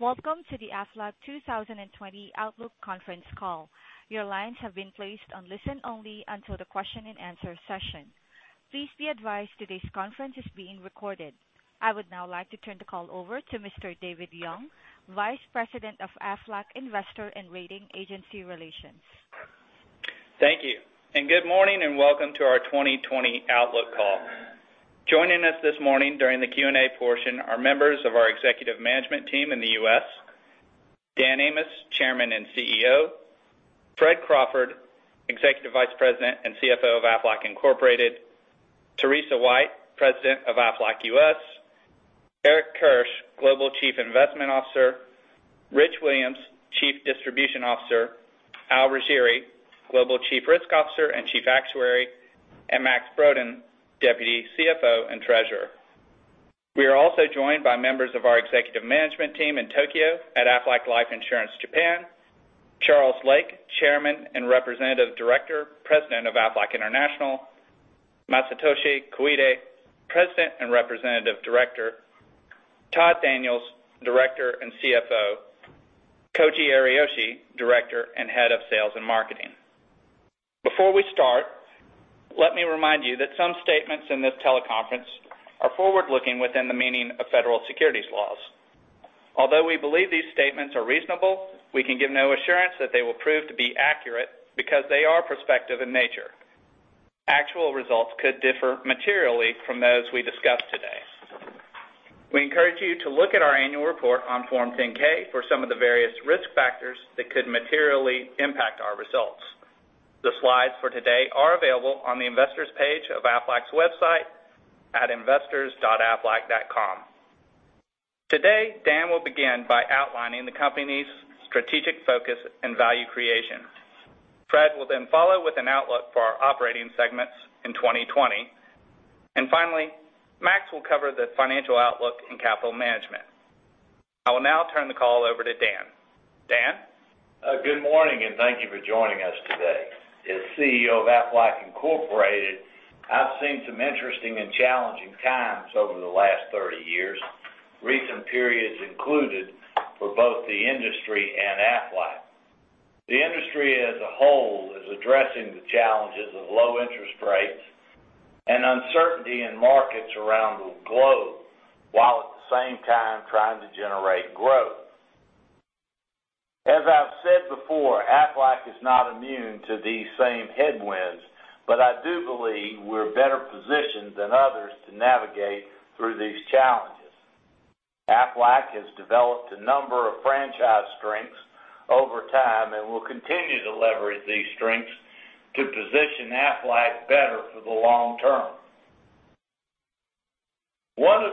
Welcome to the Aflac 2020 Outlook conference call. Your lines have been placed on listen only until the question and answer session. Please be advised today's conference is being recorded. I would now like to turn the call over to Mr. David Young, Vice President of Aflac Investor and Rating Agency Relations. Thank you. Good morning, and welcome to our 2020 Outlook call. Joining us this morning during the Q&A portion are members of our executive management team in the U.S. Dan Amos, Chairman and CEO, Fred Crawford, Executive Vice President and CFO of Aflac Incorporated, Teresa White, President of Aflac U.S., Eric Kirsch, Global Chief Investment Officer, Rich Williams, Chief Distribution Officer, Al Ruggieri, Global Chief Risk Officer and Chief Actuary, and Max Brodén, Deputy CFO and Treasurer. We are also joined by members of our executive management team in Tokyo at Aflac Life Insurance Japan. Charles Lake, Chairman and Representative Director, President of Aflac International, Masatoshi Koide, President and Representative Director, Todd Daniels, Director and CFO, and Koji Ariyoshi, Director and Head of Sales and Marketing. Before we start, let me remind you that some statements in this teleconference are forward-looking within the meaning of federal securities laws. Although we believe these statements are reasonable, we can give no assurance that they will prove to be accurate because they are prospective in nature. Actual results could differ materially from those we discuss today. We encourage you to look at our annual report on Form 10-K for some of the various risk factors that could materially impact our results. The slides for today are available on the investors page of Aflac's website at investors.aflac.com. Today, Dan will begin by outlining the company's strategic focus and value creation. Fred will then follow with an outlook for our operating segments in 2020. Finally, Max will cover the financial outlook and capital management. I will now turn the call over to Dan. Dan? Good morning. Thank you for joining us today. As CEO of Aflac Incorporated, I've seen some interesting and challenging times over the last 30 years, recent periods included for both the industry and Aflac. The industry as a whole is addressing the challenges of low interest rates and uncertainty in markets around the globe, while at the same time trying to generate growth. As I've said before, Aflac is not immune to these same headwinds, but I do believe we're better positioned than others to navigate through these challenges. Aflac has developed a number of franchise strengths over time and will continue to leverage these strengths to position Aflac better for the long term. One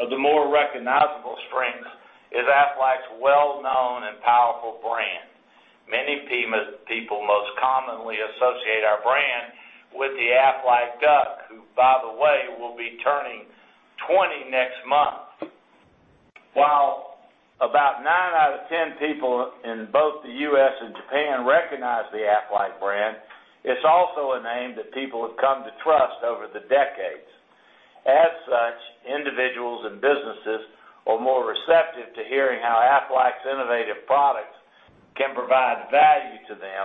of the more recognizable strengths is Aflac's well-known and powerful brand. Many people most commonly associate our brand with the Aflac Duck, who by the way, will be turning 20 next month. While about nine out of 10 people in both the U.S. and Japan recognize the Aflac brand, it's also a name that people have come to trust over the decades. As such, individuals and businesses are more receptive to hearing how Aflac's innovative products can provide value to them,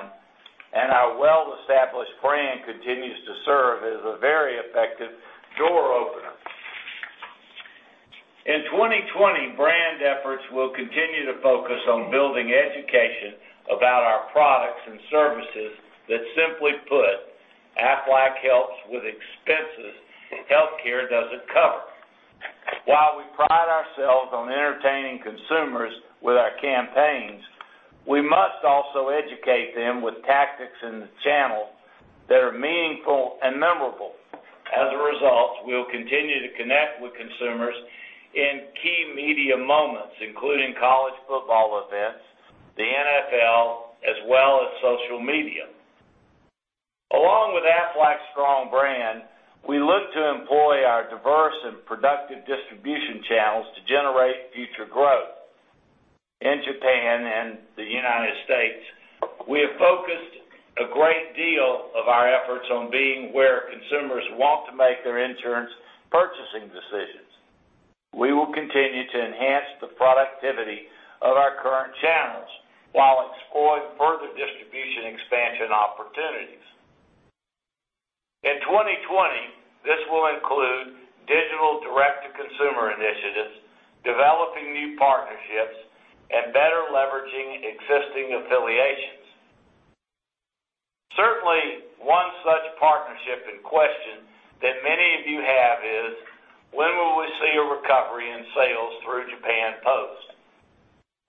and our well-established brand continues to serve as a very effective door opener. In 2020, brand efforts will continue to focus on building education about our products and services that simply put, Aflac helps with expenses healthcare doesn't cover. While we pride ourselves on entertaining consumers with our campaigns, we must also educate them with tactics in the channel that are meaningful and memorable. As a result, we will continue to connect with consumers in key media moments, including college football events, the NFL, as well as social media. Along with Aflac's strong brand, we look to employ our diverse and productive distribution channels to generate future growth. In Japan and the U.S., we have focused a great deal of our efforts on being where consumers want to make their insurance purchasing decisions. We will continue to enhance the productivity of our current channels while exploring further distribution expansion opportunities. In 2020, this will include digital direct-to-consumer initiatives, developing new partnerships, and better leveraging existing affiliations. Certainly, one such partnership and question that many of you have is, when will we see a recovery in sales through Japan Post?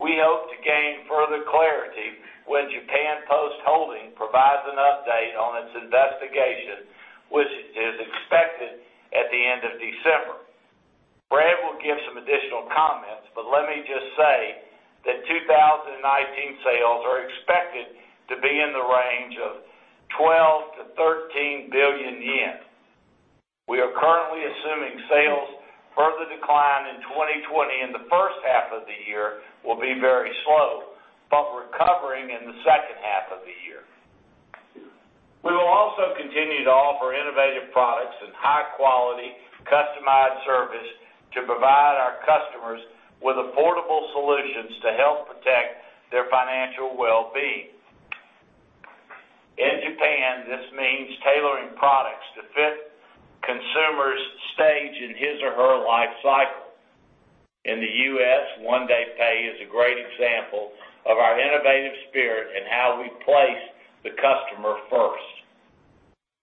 We hope to gain further clarity when Japan Post Holdings provides an update on its investigation, which is expected at the end of December. Fred will give some additional comments, but let me just say that 2019 sales are expected to be in the range of 12 billion-13 billion yen. We are currently assuming sales further decline in 2020, and the first half of the year will be very slow, but recovering in the second half of the year. Continue to offer innovative products and high quality, customized service to provide our customers with affordable solutions to help protect their financial wellbeing. In Japan, this means tailoring products to fit consumers' stage in his or her life cycle. In the U.S., One Day Pay is a great example of our innovative spirit and how we place the customer first.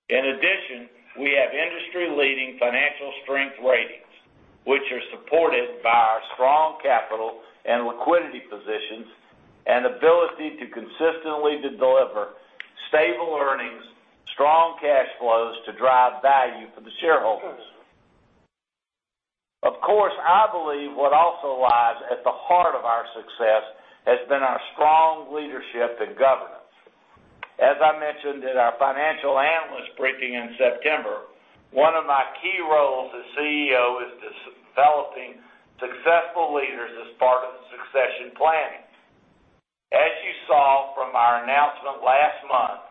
In addition, we have industry leading financial strength ratings, which are supported by our strong capital and liquidity positions and ability to consistently deliver stable earnings, strong cash flows to drive value for the shareholders. Of course, I believe what also lies at the heart of our success has been our strong leadership and governance. As I mentioned at our Financial Analysts Briefing in September, one of my key roles as CEO is developing successful leaders as part of the succession planning. As you saw from our announcement last month,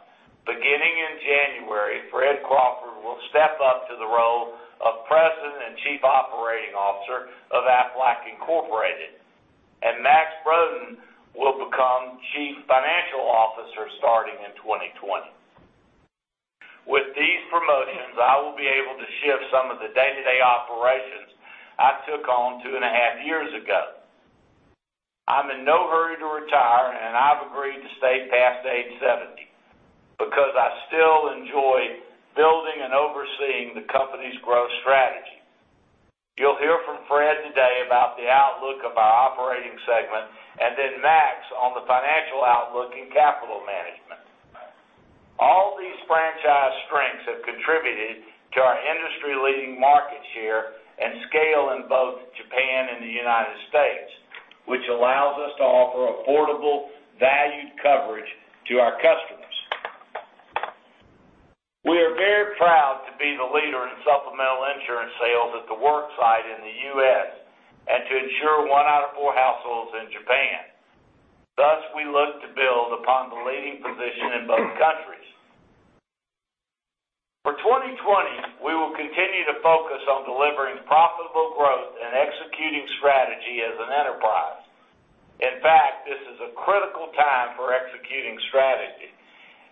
beginning in January, Fred Crawford will step up to the role of President and Chief Operating Officer of Aflac Incorporated, and Max Broden will become Chief Financial Officer starting in 2020. With these promotions, I will be able to shift some of the day-to-day operations I took on two and a half years ago. I'm in no hurry to retire, and I've agreed to stay past age 70 because I still enjoy building and overseeing the company's growth strategy. You'll hear from Fred today about the outlook of our operating segment and then Max on the financial outlook in capital management. All these franchise strengths have contributed to our industry-leading market share and scale in both Japan and the United States, which allows us to offer affordable, valued coverage to our customers. We are very proud to be the leader in supplemental insurance sales at the work site in the U.S. and to insure one out of four households in Japan. Thus, we look to build upon the leading position in both countries. For 2020, we will continue to focus on delivering profitable growth and executing strategy as an enterprise. In fact, this is a critical time for executing strategy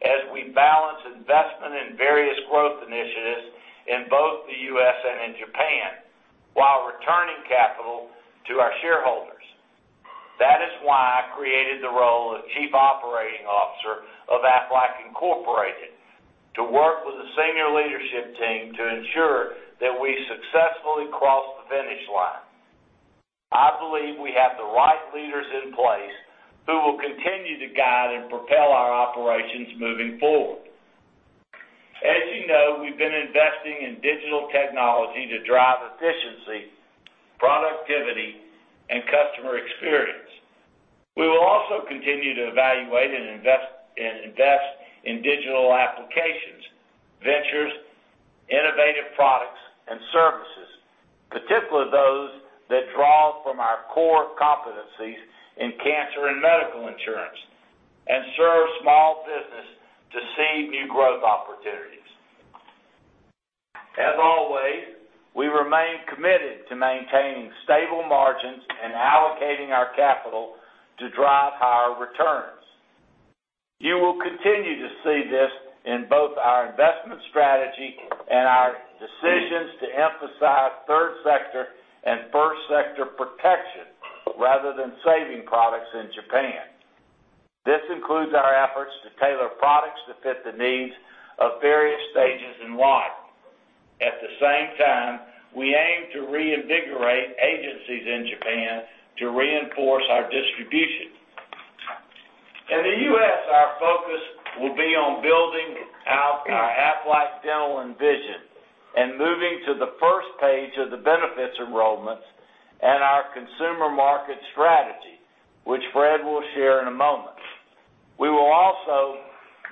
as we balance investment in various growth initiatives in both the U.S. and in Japan, while returning capital to our shareholders. That is why I created the role of Chief Operating Officer of Aflac Incorporated to work with the senior leadership team to ensure that we successfully cross the finish line. I believe we have the right leaders in place who will continue to guide and propel our operations moving forward. As you know, we've been investing in digital technology to drive efficiency, productivity, and customer experience. We will also continue to evaluate and invest in digital applications, ventures, innovative products, and services, particularly those that draw from our core competencies in cancer and medical insurance and serve small business to seed new growth opportunities. As always, we remain committed to maintaining stable margins and allocating our capital to drive higher returns. You will continue to see this in both our investment strategy and our decisions to emphasize third sector and first sector protection rather than saving products in Japan. This includes our efforts to tailor products that fit the needs of various stages in life. At the same time, we aim to reinvigorate agencies in Japan to reinforce our distribution. In the U.S., our focus will be on building our Aflac Network Dental and Vision and moving to the first page of the benefits enrollments and our consumer market strategy, which Fred will share in a moment. We will also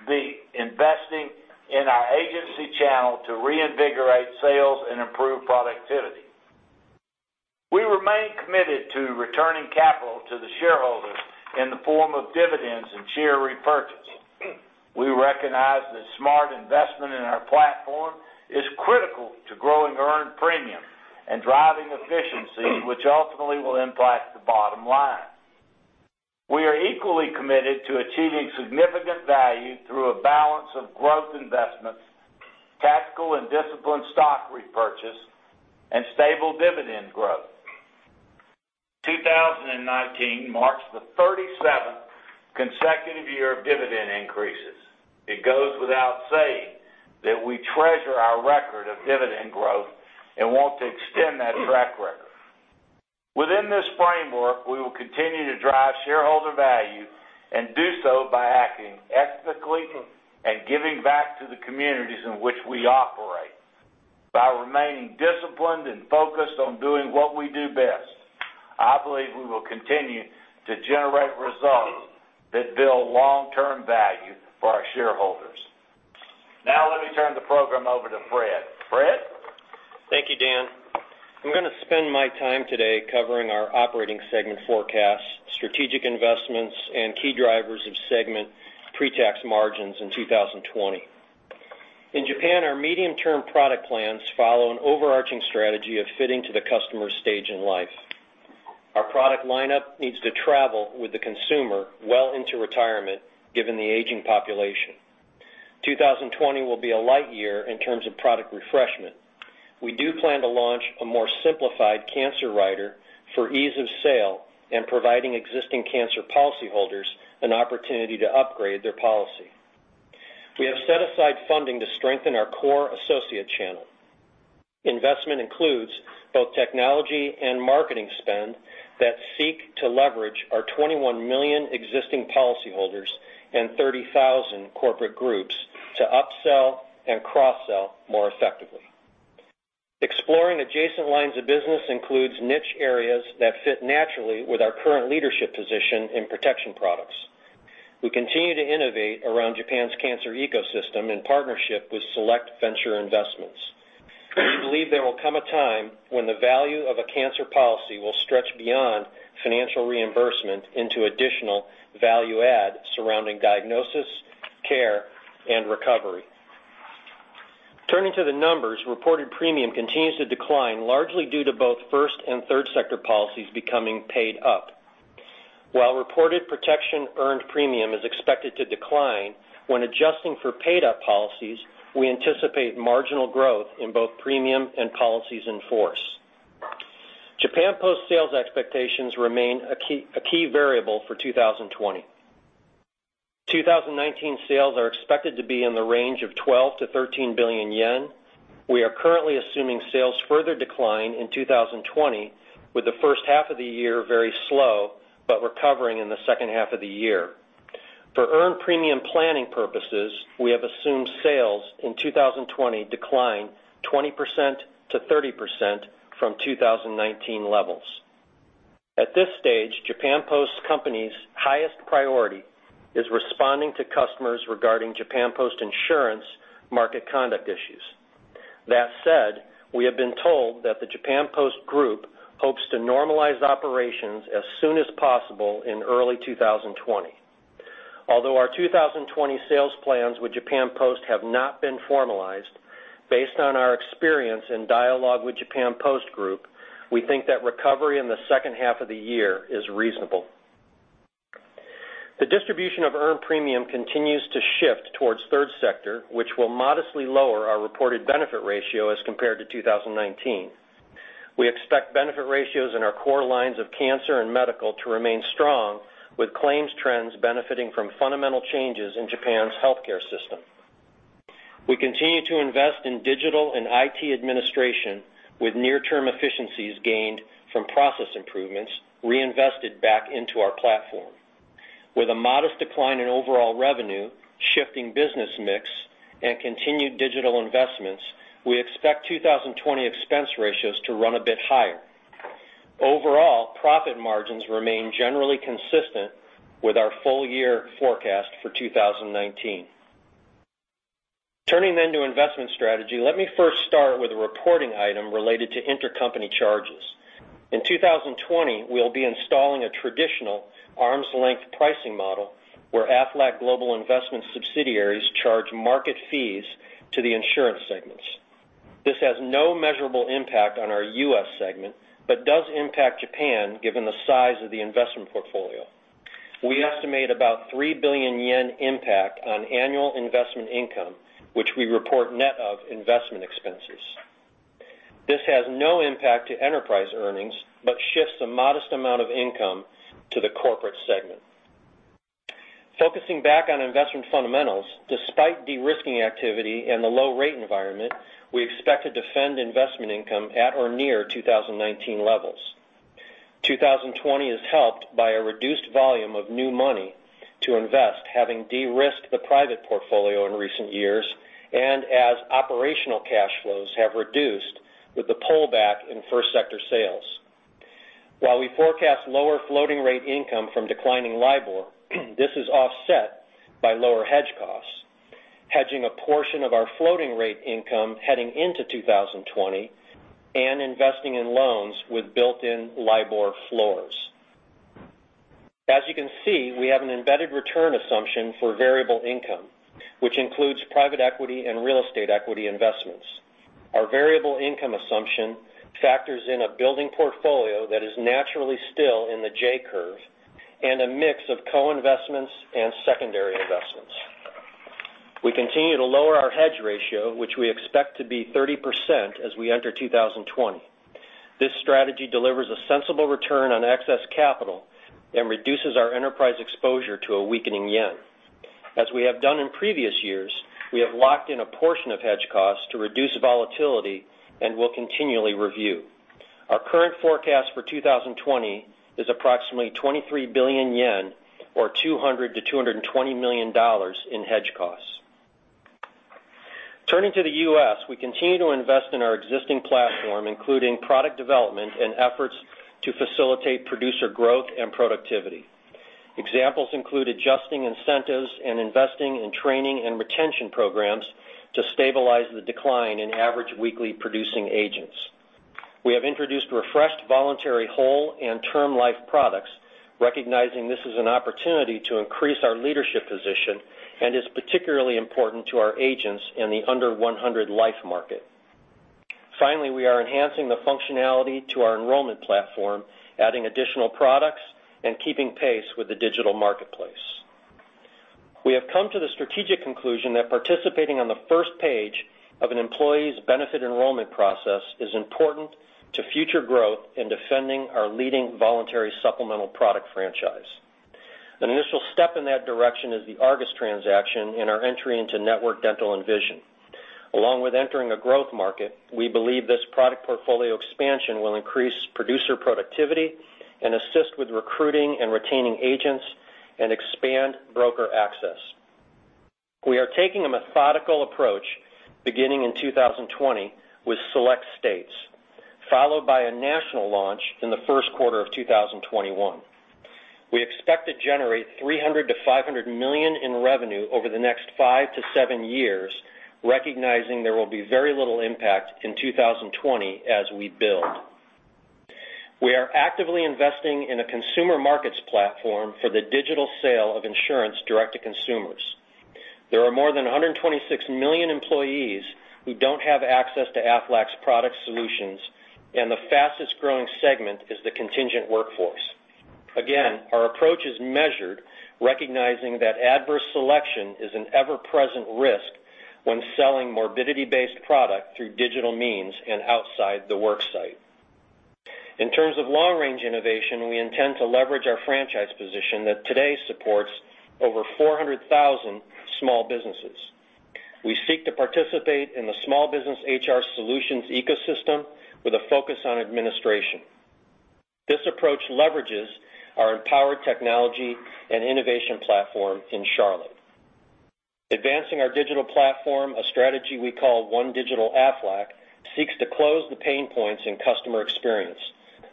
be investing in our agency channel to reinvigorate sales and improve productivity. We remain committed to returning capital to the shareholders in the form of dividends and share repurchase. We recognize that smart investment in our platform is critical to growing earned premium and driving efficiency, which ultimately will impact the bottom line. We are equally committed to achieving significant value through a balance of growth investments, tactical and disciplined stock repurchase, and stable dividend growth. 2019 marks the 37th consecutive year of dividend increases. It goes without saying that we treasure our record of dividend growth and want to extend that track record. Within this framework, we will continue to drive shareholder value and do so by acting ethically and giving back to the communities in which we operate. By remaining disciplined and focused on doing what we do best, I believe we will continue to generate results that build long-term value for our shareholders. Now let me turn the program over to Fred. Fred? Thank you, Dan. I'm going to spend my time today covering our operating segment forecast, strategic investments, and key drivers of segment pretax margins in 2020. In Japan, our medium-term product plans follow an overarching strategy of fitting to the customer's stage in life. Our product lineup needs to travel with the consumer well into retirement, given the aging population. 2020 will be a light year in terms of product refreshment. We do plan to launch a more simplified Cancer Rider for ease of sale and providing existing cancer policyholders an opportunity to upgrade their policy. We have set aside funding to strengthen our core associate channel. Investment includes both technology and marketing spend that seek to leverage our 21 million existing policyholders and 30,000 corporate groups to upsell and cross-sell more effectively. Exploring adjacent lines of business includes niche areas that fit naturally with our current leadership position in protection products. We continue to innovate around Japan's cancer ecosystem in partnership with select venture investments. We believe there will come a time when the value of a cancer policy will stretch beyond financial reimbursement into additional value-add surrounding diagnosis, care, and recovery. Turning to the numbers, reported premium continues to decline, largely due to both first and third sector policies becoming paid up. While reported protection earned premium is expected to decline, when adjusting for paid-up policies, we anticipate marginal growth in both premium and policies in force. Japan Post sales expectations remain a key variable for 2020. 2019 sales are expected to be in the range of 12 billion-13 billion yen. We are currently assuming sales further decline in 2020 with the first half of the year very slow, but recovering in the second half of the year. For earned premium planning purposes, we have assumed sales in 2020 decline 20%-30% from 2019 levels. At this stage, Japan Post company's highest priority is responding to customers regarding Japan Post Insurance market conduct issues. That said, we have been told that the Japan Post Group hopes to normalize operations as soon as possible in early 2020. Although our 2020 sales plans with Japan Post have not been formalized, based on our experience and dialogue with Japan Post Group, we think that recovery in the second half of the year is reasonable. The distribution of earned premium continues to shift towards third sector, which will modestly lower our reported benefit ratio as compared to 2019. We expect benefit ratios in our core lines of cancer and medical to remain strong, with claims trends benefiting from fundamental changes in Japan's healthcare system. We continue to invest in digital and IT administration with near-term efficiencies gained from process improvements reinvested back into our platform. With a modest decline in overall revenue, shifting business mix, and continued digital investments, we expect 2020 expense ratios to run a bit higher. Overall, profit margins remain generally consistent with our full year forecast for 2019. Turning to investment strategy, let me first start with a reporting item related to intercompany charges. In 2020, we'll be installing a traditional arm's-length pricing model where Aflac Global Investments subsidiaries charge market fees to the insurance segments. This has no measurable impact on our U.S. segment but does impact Japan, given the size of the investment portfolio. We estimate about 3 billion yen impact on annual investment income, which we report net of investment expenses. This has no impact to enterprise earnings but shifts a modest amount of income to the corporate segment. Focusing back on investment fundamentals, despite de-risking activity and the low rate environment, we expect to defend investment income at or near 2019 levels. 2020 is helped by a reduced volume of new money to invest, having de-risked the private portfolio in recent years and as operational cash flows have reduced with the pullback in first sector sales. While we forecast lower floating rate income from declining LIBOR, this is offset by lower hedge costs, hedging a portion of our floating rate income heading into 2020 and investing in loans with built-in LIBOR floors. As you can see, we have an embedded return assumption for variable income, which includes private equity and real estate equity investments. Our variable income assumption factors in a building portfolio that is naturally still in the J-curve and a mix of co-investments and secondary investments. We continue to lower our hedge ratio, which we expect to be 30% as we enter 2020. This strategy delivers a sensible return on excess capital and reduces our enterprise exposure to a weakening yen. As we have done in previous years, we have locked in a portion of hedge costs to reduce volatility and will continually review. Our current forecast for 2020 is approximately 23 billion yen or $200 million-$220 million in hedge costs. Turning to the U.S., we continue to invest in our existing platform, including product development and efforts to facilitate producer growth and productivity. Examples include adjusting incentives and investing in training and retention programs to stabilize the decline in average weekly producing agents. We have introduced refreshed voluntary whole and term life products, recognizing this is an opportunity to increase our leadership position and is particularly important to our agents in the under 100 life market. Finally, we are enhancing the functionality to our enrollment platform, adding additional products, and keeping pace with the digital marketplace. We have come to the strategic conclusion that participating on the first page of an employee's benefit enrollment process is important to future growth in defending our leading voluntary supplemental product franchise. An initial step in that direction is the Argus transaction and our entry into Network Dental and Vision. Along with entering a growth market, we believe this product portfolio expansion will increase producer productivity and assist with recruiting and retaining agents and expand broker access. We are taking a methodical approach beginning in 2020 with select states, followed by a national launch in the first quarter of 2021. We expect to generate $300 million-$500 million in revenue over the next five to seven years, recognizing there will be very little impact in 2020 as we build. We are actively investing in a consumer markets platform for the digital sale of insurance direct to consumers. There are more than 126 million employees who don't have access to Aflac's product solutions, and the fastest growing segment is the contingent workforce. Again, our approach is measured, recognizing that adverse selection is an ever-present risk when selling morbidity-based product through digital means and outside the work site. In terms of long-range innovation, we intend to leverage our franchise position that today supports over 400,000 small businesses. We seek to participate in the small business HR solutions ecosystem with a focus on administration. This approach leverages our empowered technology and innovation platform in Charlotte. Advancing our digital platform, a strategy we call One Digital Aflac, seeks to close the pain points in customer experience.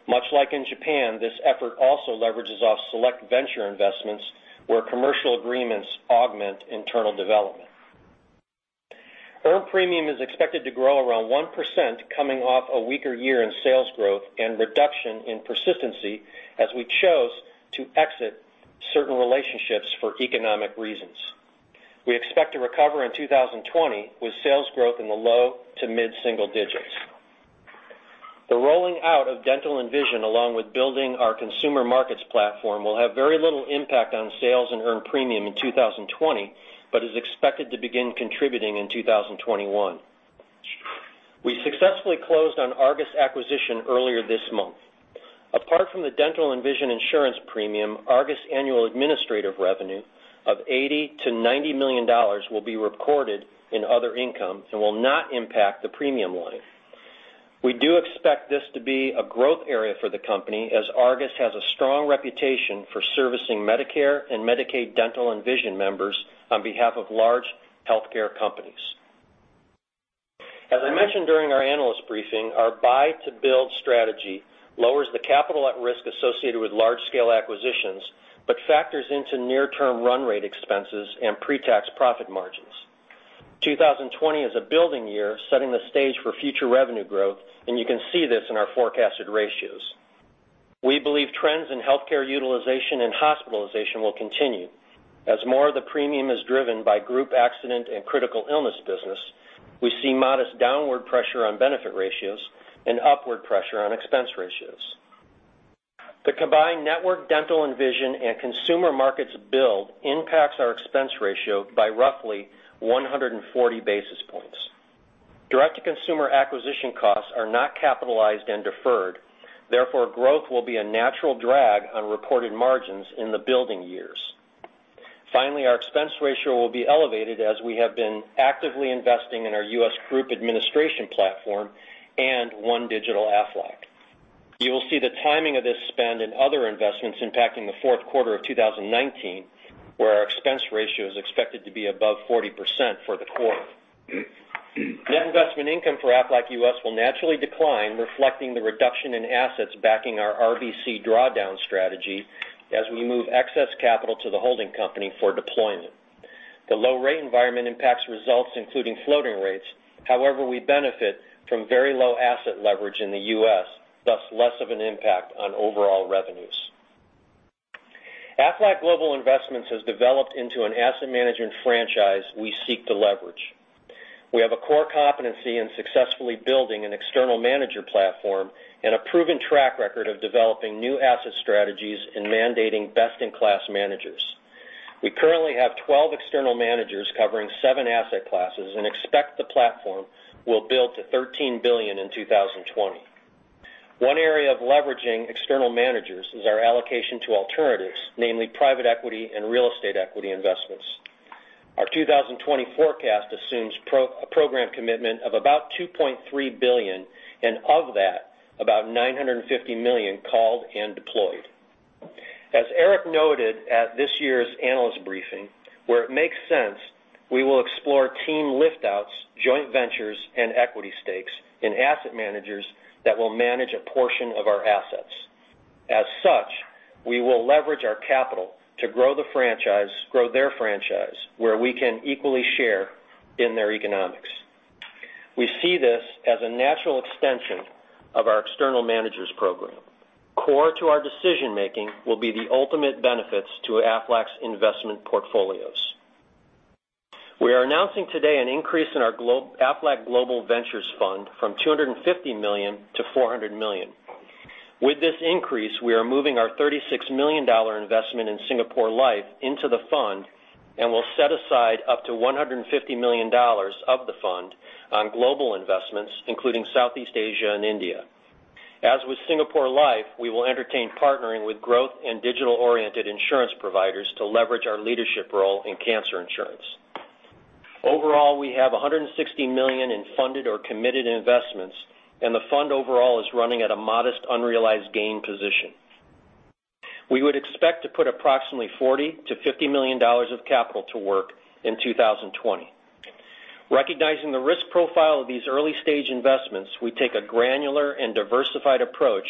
Much like in Japan, this effort also leverages our select venture investments, where commercial agreements augment internal development. Earned premium is expected to grow around 1%, coming off a weaker year in sales growth and reduction in persistency as we chose to exit certain relationships for economic reasons. We expect to recover in 2020 with sales growth in the low to mid-single digits. The rolling out of dental and vision, along with building our consumer markets platform, will have very little impact on sales and earned premium in 2020, but is expected to begin contributing in 2021. We successfully closed on Argus acquisition earlier this month. Apart from the dental and vision insurance premium, Argus' annual administrative revenue of $80 million-$90 million will be recorded in other income and will not impact the premium line. We do expect this to be a growth area for the company, as Argus has a strong reputation for servicing Medicare and Medicaid dental and vision members on behalf of large healthcare companies. As I mentioned during our analyst briefing, our buy-to-build strategy lowers the capital at risk associated with large-scale acquisitions, but factors into near-term run rate expenses and pre-tax profit margins. 2020 is a building year, setting the stage for future revenue growth, and you can see this in our forecasted ratios. We believe trends in healthcare utilization and hospitalization will continue. As more of the premium is driven by group accident and critical illness business, we see modest downward pressure on benefit ratios and upward pressure on expense ratios. The combined network dental and vision and consumer markets build impacts our expense ratio by roughly 140 basis points. Direct-to-consumer acquisition costs are not capitalized and deferred. Growth will be a natural drag on reported margins in the building years. Our expense ratio will be elevated as we have been actively investing in our U.S. group administration platform and One Digital Aflac. You will see the timing of this spend and other investments impacting the fourth quarter of 2019, where our expense ratio is expected to be above 40% for the quarter. Net investment income for Aflac U.S. will naturally decline, reflecting the reduction in assets backing our RBC drawdown strategy as we move excess capital to the holding company for deployment. The low rate environment impacts results, including floating rates. We benefit from very low asset leverage in the U.S., thus less of an impact on overall revenues. Aflac Global Investments has developed into an asset management franchise we seek to leverage. We have a core competency in successfully building an external manager platform and a proven track record of developing new asset strategies and mandating best-in-class managers. We currently have 12 external managers covering seven asset classes and expect the platform will build to $13 billion in 2020. One area of leveraging external managers is our allocation to alternatives, namely private equity and real estate equity investments. Our 2020 forecast assumes a program commitment of about $2.3 billion, and of that, about $950 million called and deployed. As Eric noted at this year's analyst briefing, where it makes sense, we will explore team lift-outs, joint ventures, and equity stakes in asset managers that will manage a portion of our assets. We will leverage our capital to grow their franchise where we can equally share in their economics. Core to our decision-making will be the ultimate benefits to Aflac's investment portfolios. We are announcing today an increase in our Aflac Global Ventures fund from $250 million to $400 million. With this increase, we are moving our $36 million investment in Singapore Life into the fund, and we'll set aside up to $150 million of the fund on global investments, including Southeast Asia and India. As with Singapore Life, we will entertain partnering with growth and digital-oriented insurance providers to leverage our leadership role in cancer insurance. Overall, we have $160 million in funded or committed investments, and the fund overall is running at a modest, unrealized gain position. We would expect to put approximately $40 million to $50 million of capital to work in 2020. Recognizing the risk profile of these early-stage investments, we take a granular and diversified approach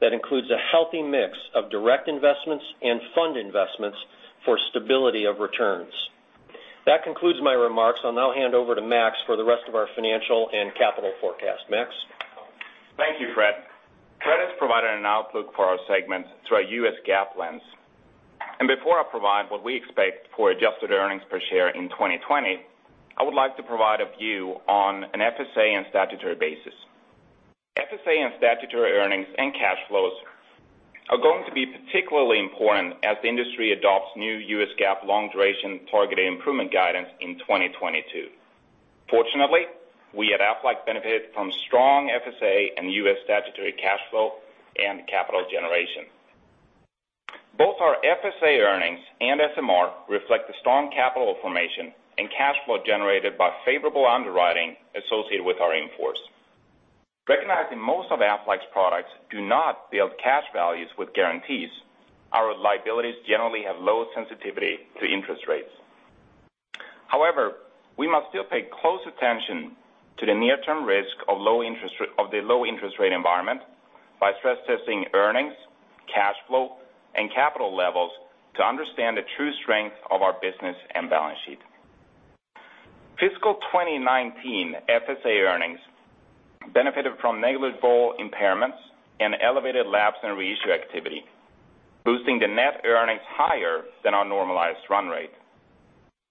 that includes a healthy mix of direct investments and fund investments for stability of returns. That concludes my remarks. I'll now hand over to Max for the rest of our financial and capital forecast. Max? Thank you, Fred. Fred has provided an outlook for our segments through a U.S. GAAP lens. Before I provide what we expect for adjusted earnings per share in 2020, I would like to provide a view on an FSA and statutory basis. FSA and statutory earnings and cash flows are going to be particularly important as the industry adopts new U.S. GAAP Long-Duration Targeted Improvements guidance in 2022. Fortunately, we at Aflac benefit from strong FSA and U.S. statutory cash flow and capital generation. Both our FSA earnings and SMR reflect the strong capital formation and cash flow generated by favorable underwriting associated with our in-force. Recognizing most of Aflac's products do not build cash values with guarantees, our liabilities generally have low sensitivity to interest rates. We must still pay close attention to the near-term risk of the low interest rate environment by stress testing earnings, cash flow, and capital levels to understand the true strength of our business and balance sheet. Fiscal 2019 FSA earnings benefited from negligible impairments and elevated labs and reissue activity, boosting the net earnings higher than our normalized run rate.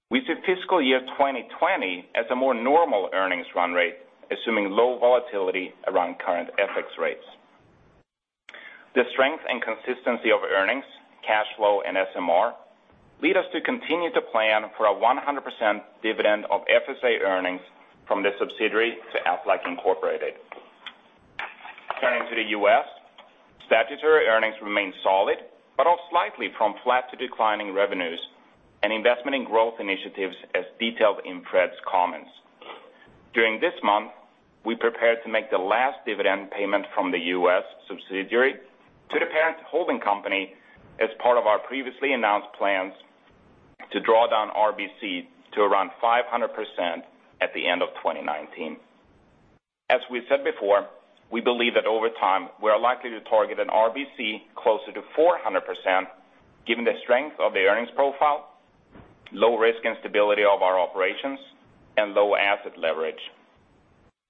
We see fiscal year 2020 as a more normal earnings run rate, assuming low volatility around current FX rates. The strength and consistency of earnings, cash flow, and SMR lead us to continue to plan for a 100% dividend of FSA earnings from the subsidiary to Aflac Incorporated. Turning to the U.S., statutory earnings remain solid but off slightly from flat to declining revenues and investment in growth initiatives as detailed in Fred's comments. During this month, we prepared to make the last dividend payment from the U.S. subsidiary to the parent holding company as part of our previously announced plans to draw down RBC to around 500% at the end of 2019. As we've said before, we believe that over time, we are likely to target an RBC closer to 400%, given the strength of the earnings profile, low risk and stability of our operations, and low asset leverage.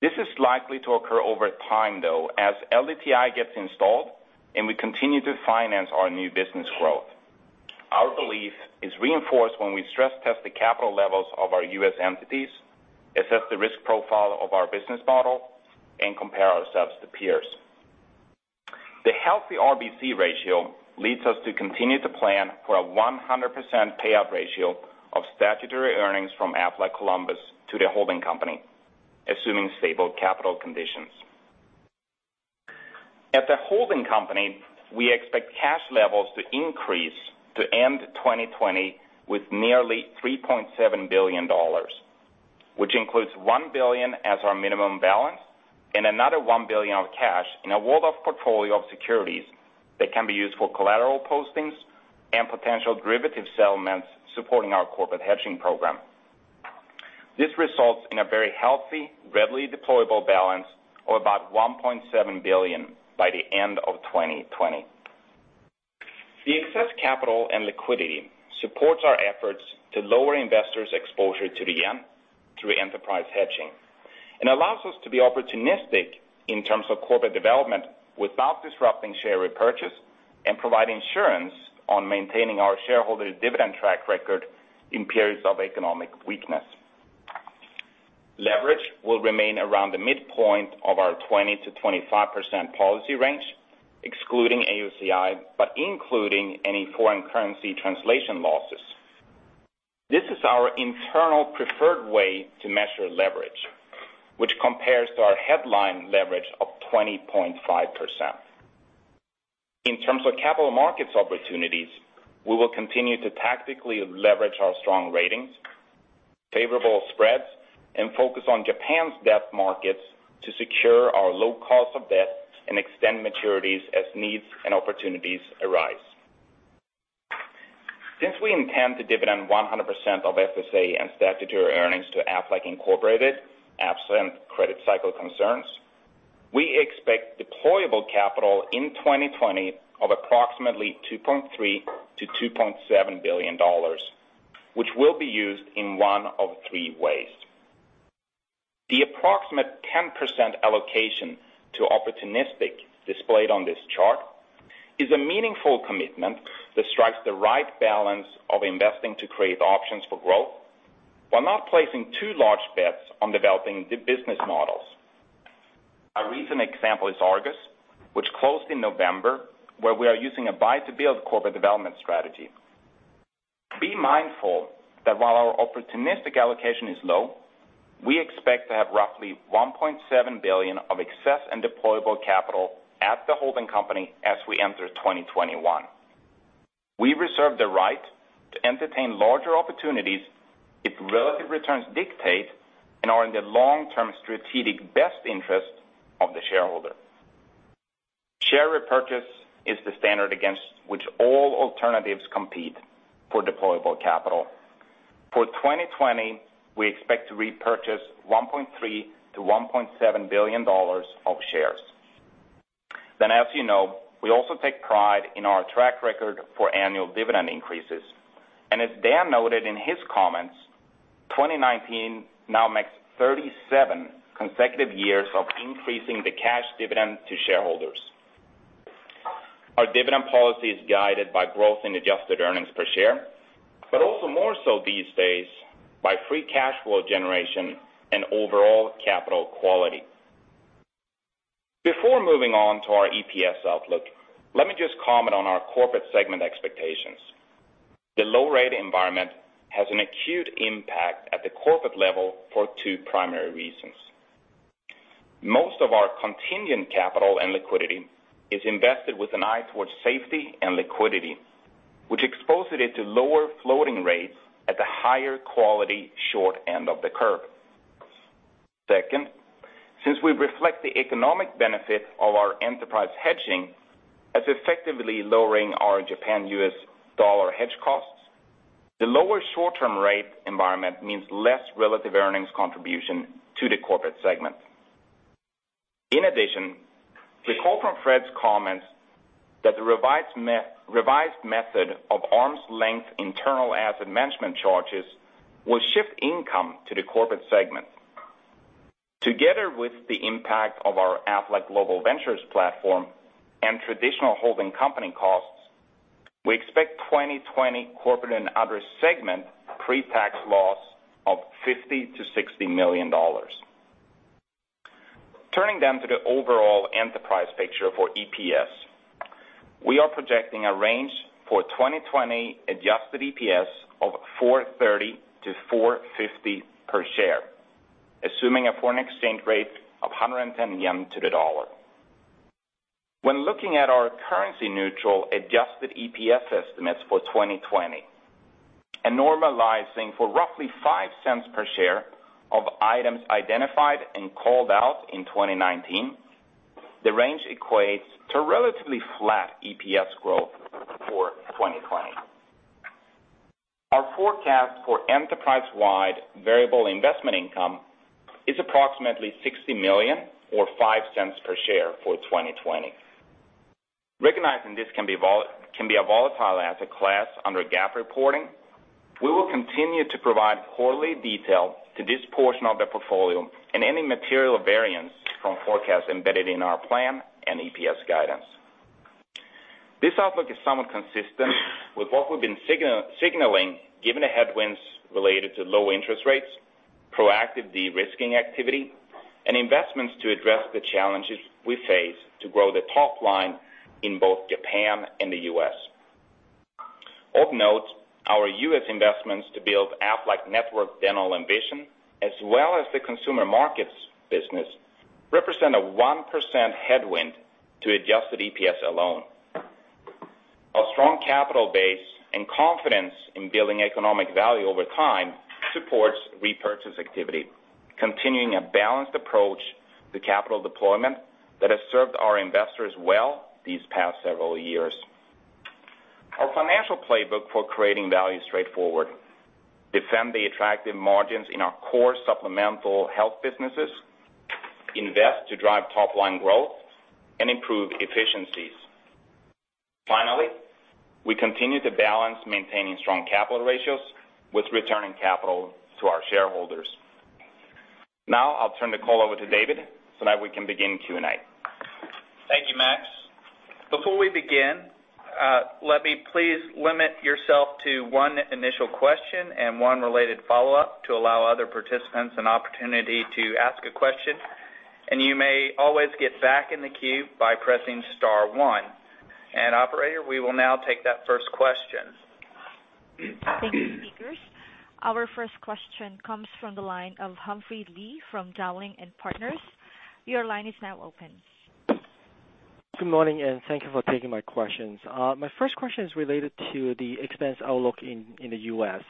This is likely to occur over time, though, as LDTI gets installed and we continue to finance our new business growth. Our belief is reinforced when we stress test the capital levels of our U.S. entities, assess the risk profile of our business model, and compare ourselves to peers. The healthy RBC ratio leads us to continue to plan for a 100% payout ratio of statutory earnings from Aflac Columbus to the holding company, assuming stable capital conditions. At the holding company, we expect cash levels to increase to end 2020 with nearly $3.7 billion, which includes 1 billion as our minimum balance and another 1 billion of cash in a walled-off portfolio of securities that can be used for collateral postings and potential derivative settlements supporting our corporate hedging program. This results in a very healthy, readily deployable balance of about $1.7 billion by the end of 2020. The excess capital and liquidity supports our efforts to lower investors' exposure to the yen through enterprise hedging and allows us to be opportunistic in terms of corporate development without disrupting share repurchase and provide insurance on maintaining our shareholders' dividend track record in periods of economic weakness. Leverage will remain around the midpoint of our 20%-25% policy range, excluding AOCI, but including any foreign currency translation losses. This is our internal preferred way to measure leverage, which compares to our headline leverage of 20.5%. In terms of capital markets opportunities, we will continue to tactically leverage our strong ratings, favorable spreads, and focus on Japan's debt markets to secure our low cost of debt and extend maturities as needs and opportunities arise. Since we intend to dividend 100% of FSA and statutory earnings to Aflac Incorporated, absent credit cycle concerns, we expect deployable capital in 2020 of approximately $2.3 billion-$2.7 billion, which will be used in one of three ways. The approximate 10% allocation to opportunistic displayed on this chart is a meaningful commitment that strikes the right balance of investing to create options for growth while not placing too large bets on developing the business models. A recent example is Argus, which closed in November, where we are using a buy to build corporate development strategy. Be mindful that while our opportunistic allocation is low, we expect to have roughly $1.7 billion of excess and deployable capital at the holding company as we enter 2021. We reserve the right to entertain larger opportunities if relative returns dictate and are in the long-term strategic best interest of the shareholder. Share repurchase is the standard against which all alternatives compete for deployable capital. For 2020, we expect to repurchase $1.3 billion-$1.7 billion of shares. As you know, we also take pride in our track record for annual dividend increases. As Dan noted in his comments, 2019 now makes 37 consecutive years of increasing the cash dividend to shareholders. Our dividend policy is guided by growth in adjusted earnings per share, but also more so these days by free cash flow generation and overall capital quality. Before moving on to our EPS outlook, let me just comment on our corporate segment expectations. The low rate environment has an acute impact at the corporate level for two primary reasons. Most of our contingent capital and liquidity is invested with an eye towards safety and liquidity, which exposes it to lower floating rates at the higher quality short end of the curve. Second, since we reflect the economic benefit of our enterprise hedging as effectively lowering our Japan-U.S. dollar hedge costs, the lower short-term rate environment means less relative earnings contribution to the corporate segment. In addition, the call from Fred's comments that the revised method of arm's length internal asset management charges will shift income to the corporate segment. Together with the impact of our Aflac Global Ventures platform and traditional holding company costs, we expect 2020 corporate and other segment pre-tax loss of $50 million-$60 million. Turning to the overall enterprise picture for EPS. We are projecting a range for 2020 adjusted EPS of $4.30-$4.50 per share, assuming a foreign exchange rate of 110 yen to the USD. When looking at our currency neutral adjusted EPS estimates for 2020 and normalizing for roughly $0.05 per share of items identified and called out in 2019, the range equates to relatively flat EPS growth for 2020. Our forecast for enterprise-wide variable investment income is approximately $60 million or $0.05 per share for 2020. Recognizing this can be a volatile asset class under GAAP reporting, we will continue to provide quarterly detail to this portion of the portfolio and any material variance from forecasts embedded in our plan and EPS guidance. This outlook is somewhat consistent with what we've been signaling, given the headwinds related to low interest rates, proactive de-risking activity, and investments to address the challenges we face to grow the top line in both Japan and the U.S. Of note, our U.S. investments to build Aflac Network Dental and Vision, as well as the consumer markets business, represent a 1% headwind to adjusted EPS alone. Our strong capital base and confidence in building economic value over time supports repurchase activity, continuing a balanced approach to capital deployment that has served our investors well these past several years. Our financial playbook for creating value is straightforward. Defend the attractive margins in our core supplemental health businesses, invest to drive top-line growth, and improve efficiencies. Finally, we continue to balance maintaining strong capital ratios with returning capital to our shareholders. Now I'll turn the call over to David so that we can begin Q&A. Thank you, Max. Before we begin, let me please limit yourself to one initial question and one related follow-up to allow other participants an opportunity to ask a question, you may always get back in the queue by pressing star one. Operator, we will now take that first question. Thank you, speakers. Our first question comes from the line of Humphrey Lee from Dowling & Partners. Your line is now open. Good morning, and thank you for taking my questions. My first question is related to the expense outlook in the U.S.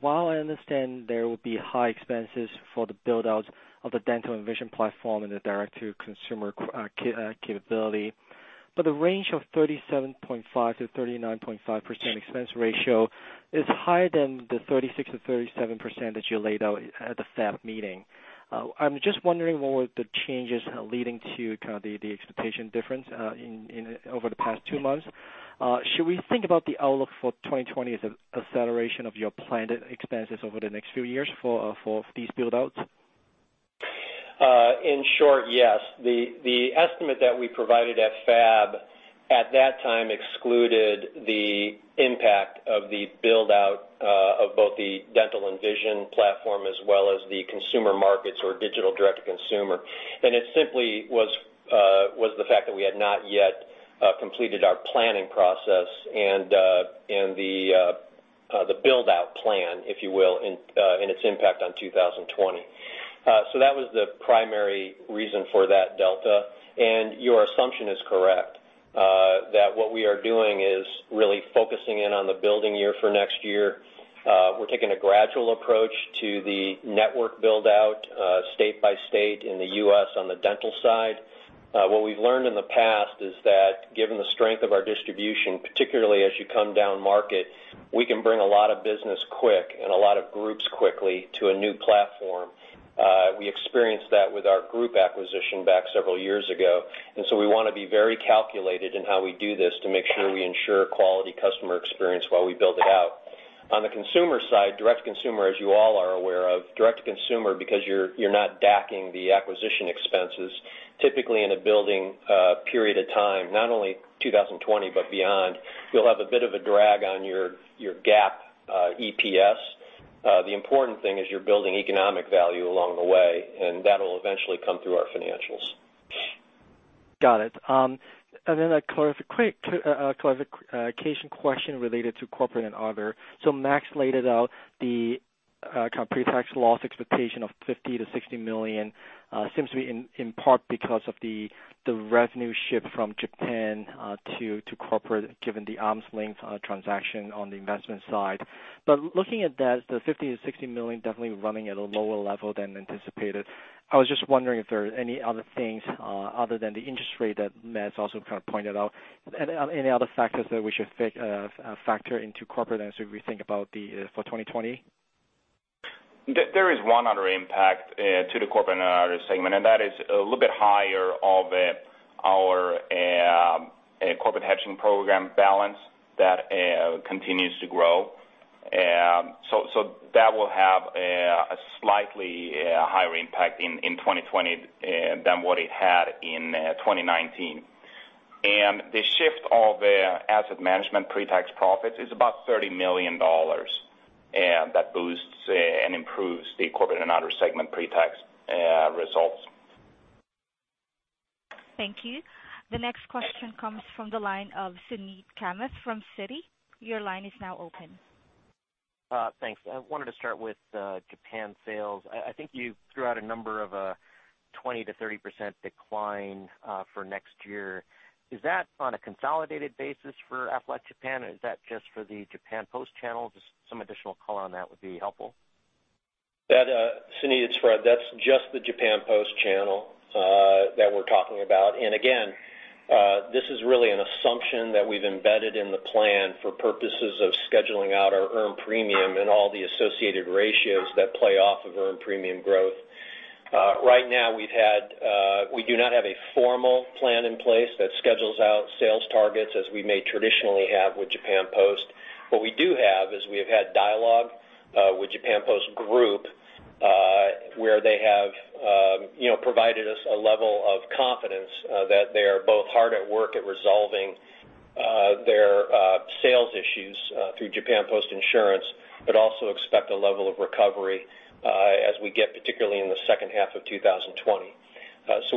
While I understand there will be high expenses for the build-outs of the dental and vision platform and the direct-to-consumer capability, the range of 37.5%-39.5% expense ratio is higher than the 36%-37% that you laid out at the FAB meeting. I'm just wondering what were the changes leading to the expectation difference over the past two months? Should we think about the outlook for 2020 as an acceleration of your planned expenses over the next few years for these build-outs? In short, yes. The estimate that we provided at FAB at that time excluded the impact of the build-out of both the dental and vision platform, as well as the consumer markets or digital direct-to-consumer. It simply was the fact that we had not yet completed our planning process and the build-out plan, if you will, and its impact on 2020. That was the primary reason for that delta. Your assumption is correct, that what we are doing is really focusing in on the building year for next year. We're taking a gradual approach to the network build-out, state by state in the U.S. on the dental side. What we've learned in the past is that given the strength of our distribution, particularly as you come down market, we can bring a lot of business quick and a lot of groups quickly to a new platform. We experienced that with our group acquisition back several years ago. We want to be very calculated in how we do this to make sure we ensure quality customer experience while we build it out. On the consumer side, direct-to-consumer, as you all are aware of, direct-to-consumer, because you're not DAC-ing the acquisition expenses, typically in a building period of time, not only 2020 but beyond, you'll have a bit of a drag on your GAAP EPS. The important thing is you're building economic value along the way, and that'll eventually come through our financials. Got it. A quick clarification question related to corporate and other. Max laid out the pre-tax loss expectation of $50 million-$60 million, seems to be in part because of the revenue shift from Japan to corporate, given the arm's length transaction on the investment side. Looking at that, the $50 million-$60 million definitely running at a lower level than anticipated. I was just wondering if there are any other things other than the interest rate that Max's also kind of pointed out, any other factors that we should factor into corporate as we think about for 2020? There is one other impact to the corporate and other segment, and that is a little bit higher of our corporate hedging program balance that continues to grow. That will have a slightly higher impact in 2020 than what it had in 2019. The shift of asset management pre-tax profits is about $30 million, and that boosts and improves the corporate and other segment pre-tax results. Thank you. The next question comes from the line of Suneet Kamath from Citi. Your line is now open. Thanks. I wanted to start with Japan sales. I think you threw out a number of a 20%-30% decline for next year. Is that on a consolidated basis for Aflac Japan, or is that just for the Japan Post channel? Just some additional color on that would be helpful. Suneet, it's Fred. That's just the Japan Post channel that we're talking about. Again, this is really an assumption that we've embedded in the plan for purposes of scheduling out our earned premium and all the associated ratios that play off of earned premium growth. Right now, we do not have a formal plan in place that schedules out sales targets as we may traditionally have with Japan Post. What we do have is we have had dialogue with Japan Post Group, where they have provided us a level of confidence that they are both hard at work at resolving their sales issues through Japan Post Insurance, but also expect a level of recovery as we get particularly in the second half of 2020.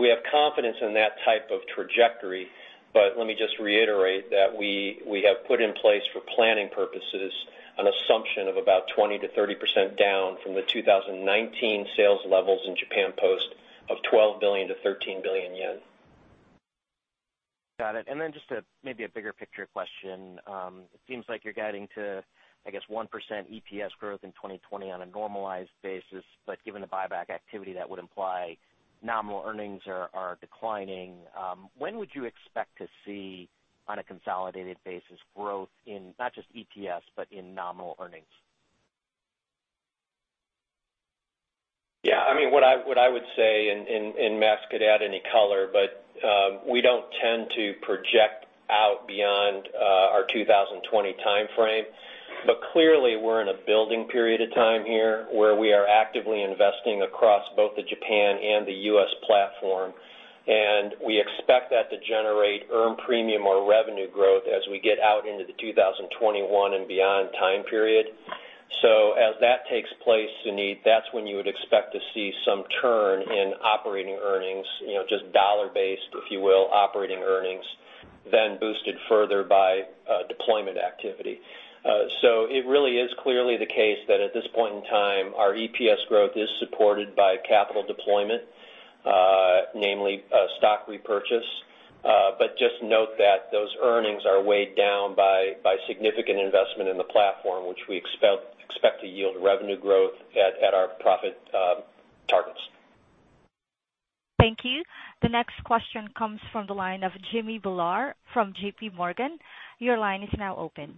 We have confidence in that type of trajectory. Let me just reiterate that we have put in place for planning purposes an assumption of about 20%-30% down from the 2019 sales levels in Japan Post of 12 billion-13 billion yen. Got it. Then just maybe a bigger picture question. It seems like you're guiding to, I guess, 1% EPS growth in 2020 on a normalized basis, but given the buyback activity, that would imply nominal earnings are declining. When would you expect to see, on a consolidated basis, growth in not just EPS, but in nominal earnings? Yeah. What I would say, Max could add any color, we don't tend to project out beyond our 2020 timeframe. Clearly we're in a building period of time here where we are actively investing across both the Japan and the U.S. platform, we expect that to generate earned premium or revenue growth as we get out into the 2021 and beyond time period. As that takes place, Suneet, that's when you would expect to see some turn in operating earnings, just dollar-based, if you will, operating earnings then boosted further by deployment activity. It really is clearly the case that at this point in time, our EPS growth is supported by capital deployment, namely stock repurchase. Just note that those earnings are weighed down by significant investment in the platform, which we expect to yield revenue growth at our profit Thank you. The next question comes from the line of Jimmy Bhullar from JPMorgan. Your line is now open.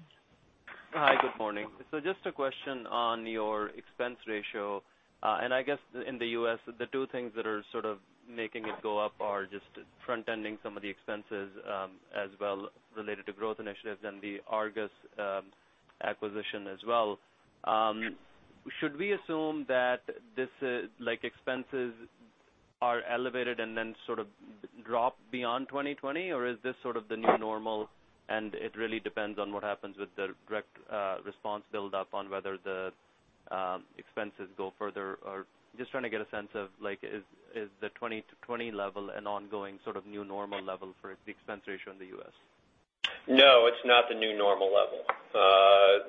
Hi, good morning. Just a question on your expense ratio. I guess in the U.S., the two things that are sort of making it go up are just front-ending some of the expenses as well related to growth initiatives and the Argus acquisition as well. Should we assume that these expenses are elevated and then sort of drop beyond 2020? Or is this sort of the new normal and it really depends on what happens with the direct response build up on whether the expenses go further? Or just trying to get a sense of is the 2020 level an ongoing sort of new normal level for the expense ratio in the U.S.? No, it's not the new normal level.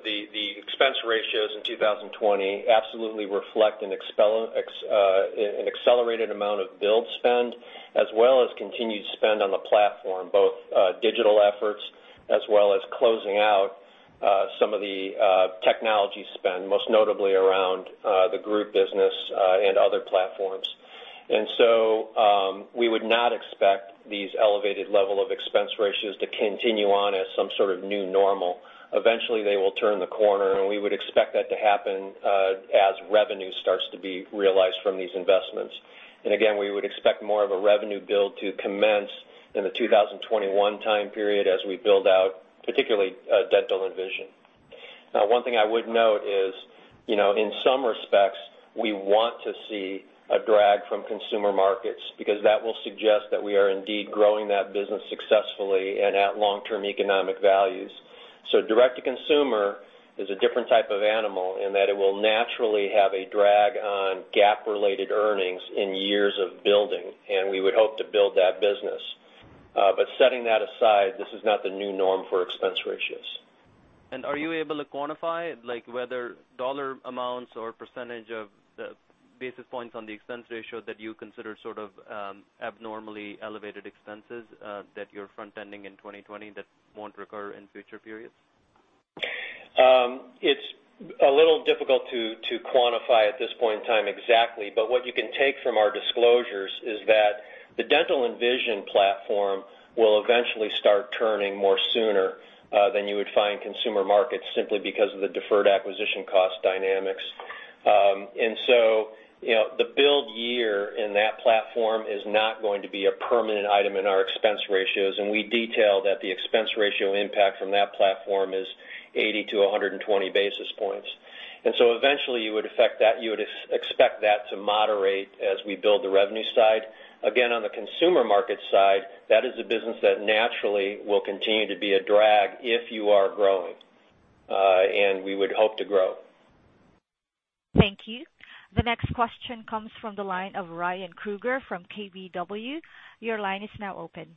The expense ratios in 2020 absolutely reflect an accelerated amount of build spend as well as continued spend on the platform, both digital efforts as well as closing out some of the technology spend, most notably around the group business and other platforms. We would not expect these elevated level of expense ratios to continue on as some sort of new normal. Eventually they will turn the corner, and we would expect that to happen as revenue starts to be realized from these investments. Again, we would expect more of a revenue build to commence in the 2021 time period as we build out particularly dental and vision. One thing I would note is, in some respects, we want to see a drag from consumer markets because that will suggest that we are indeed growing that business successfully and at long-term economic values. Direct-to-consumer is a different type of animal in that it will naturally have a drag on GAAP-related earnings in years of building, and we would hope to build that business. Setting that aside, this is not the new norm for expense ratios. Are you able to quantify whether dollar amounts or percentage of the basis points on the expense ratio that you consider sort of abnormally elevated expenses that you're front-ending in 2020 that won't recur in future periods? It's a little difficult to quantify at this point in time exactly, but what you can take from our disclosures is that the dental and vision platform will eventually start turning more sooner than you would find consumer markets simply because of the deferred acquisition cost dynamics. The build year in that platform is not going to be a permanent item in our expense ratios, and we detail that the expense ratio impact from that platform is 80 to 120 basis points. Eventually you would expect that to moderate as we build the revenue side. Again, on the consumer market side, that is a business that naturally will continue to be a drag if you are growing. We would hope to grow. Thank you. The next question comes from the line of Ryan Krueger from KBW. Your line is now open.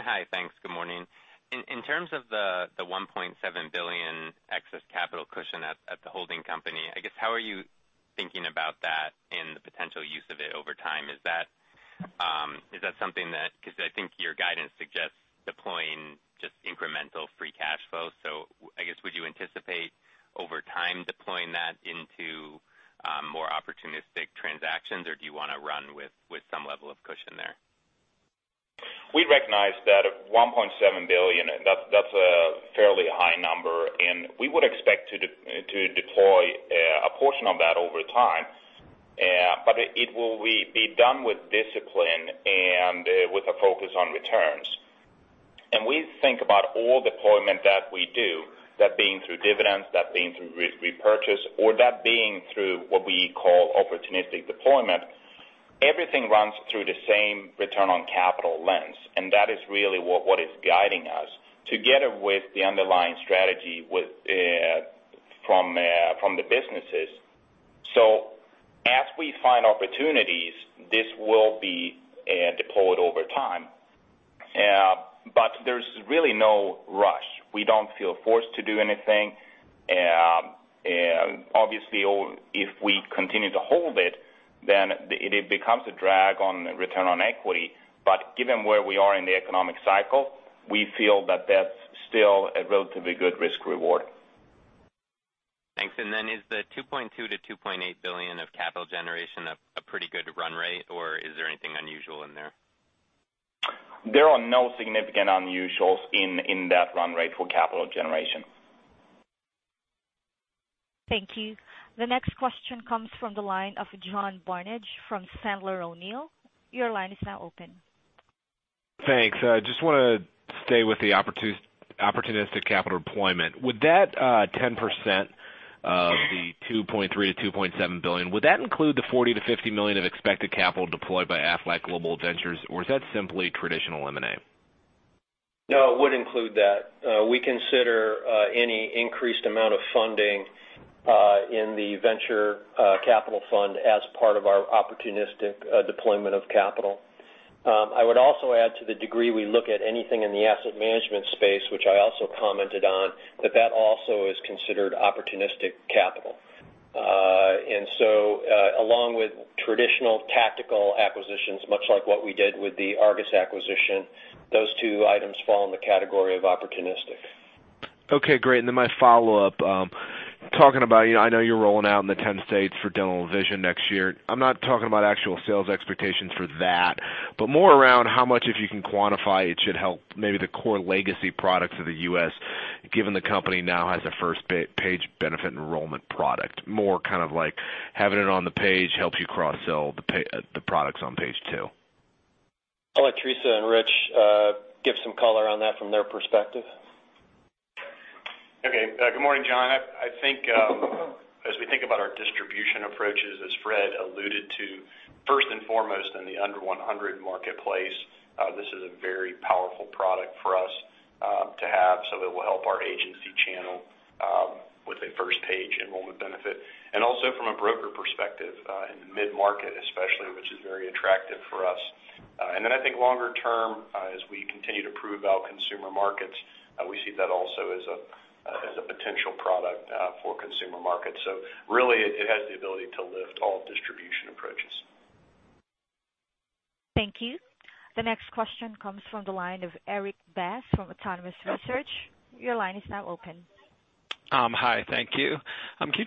Hi. Thanks. Good morning. In terms of the $1.7 billion excess capital cushion at the holding company, I guess how are you thinking about that and the potential use of it over time? Is that something that, because I think your guidance suggests deploying just incremental free cash flow. I guess, would you anticipate over time deploying that into more opportunistic transactions, or do you want to run with some level of cushion there? We recognize that at $1.7 billion, that's a fairly high number, and we would expect to deploy a portion of that over time. It will be done with discipline and with a focus on returns. We think about all deployment that we do, that being through dividends, that being through repurchase, or that being through what we call opportunistic deployment. Everything runs through the same return on capital lens, and that is really what is guiding us together with the underlying strategy from the businesses. As we find opportunities, this will be deployed over time. There's really no rush. We don't feel forced to do anything. Obviously if we continue to hold it, then it becomes a drag on return on equity. Given where we are in the economic cycle, we feel that that's still a relatively good risk reward. Thanks. Is the $2.2 billion-$2.8 billion of capital generation a pretty good run rate, or is there anything unusual in there? There are no significant unusuals in that run rate for capital generation. Thank you. The next question comes from the line of John Barnidge from Sandler O'Neill. Your line is now open. Thanks. I just want to stay with the opportunistic capital deployment. With that 10% of the $2.3 billion-$2.7 billion, would that include the $40 million-$50 million of expected capital deployed by Aflac Global Ventures? Or is that simply traditional M&A? No, it would include that. We consider any increased amount of funding in the venture capital fund as part of our opportunistic deployment of capital. I would also add to the degree we look at anything in the asset management space, which I also commented on, that that also is considered opportunistic capital. Along with traditional tactical acquisitions, much like what we did with the Argus acquisition, those two items fall in the category of opportunistic. Okay, great. My follow-up, talking about, I know you're rolling out in the 10 states for dental and vision next year. I'm not talking about actual sales expectations for that, but more around how much, if you can quantify it, should help maybe the core legacy products of the U.S., given the company now has a first page benefit enrollment product. More kind of like having it on the page helps you cross-sell the products on page two. I'll let Teresa and Rich give some color on that from their perspective. Okay. Good morning, John. I think, as we think about our distribution approaches, as Fred alluded to, first and foremost in the under 100 marketplace, this is a very powerful product for us to have. That will help our agency channel with a first-page enrollment benefit. Also from a broker perspective, in the mid-market especially, which is very attractive for us. I think longer term, as we continue to prove out consumer markets, we see that also as a potential product for consumer markets. Really it has the ability to lift all distribution approaches. Thank you. The next question comes from the line of Erik Bass from Autonomous Research. Your line is now open. Hi. Thank you. Can you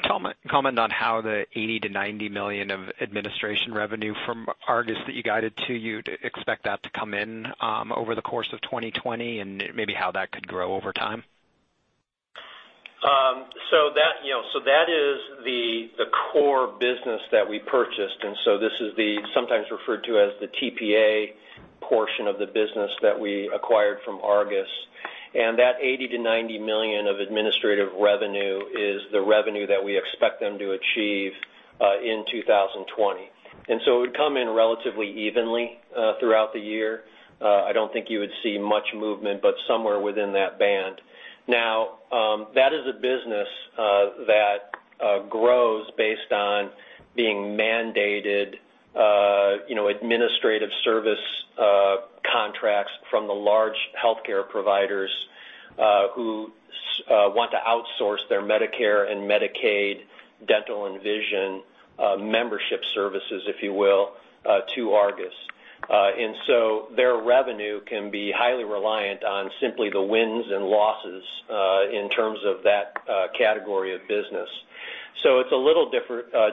comment on how the $80 million-$90 million of administration revenue from Argus that you guided to you, do you expect that to come in over the course of 2020 and maybe how that could grow over time? That is the core business that we purchased. This is sometimes referred to as the TPA portion of the business that we acquired from Argus. That $80 million-$90 million of administrative revenue is the revenue that we expect them to achieve in 2020. It would come in relatively evenly throughout the year. I don't think you would see much movement, but somewhere within that band. That is a business that grows based on being mandated, administrative service contracts from the large healthcare providers, who want to outsource their Medicare and Medicaid dental and vision membership services, if you will, to Argus. Their revenue can be highly reliant on simply the wins and losses, in terms of that category of business. It's a little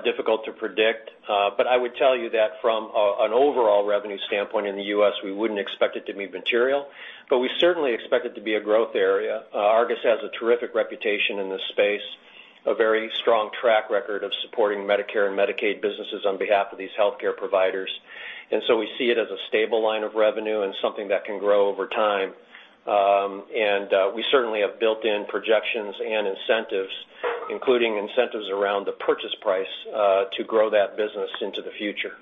difficult to predict, but I would tell you that from an overall revenue standpoint in the U.S., we wouldn't expect it to be material, but we certainly expect it to be a growth area. Argus has a terrific reputation in this space, a very strong track record of supporting Medicare and Medicaid businesses on behalf of these healthcare providers. We see it as a stable line of revenue and something that can grow over time. We certainly have built-in projections and incentives, including incentives around the purchase price, to grow that business into the future.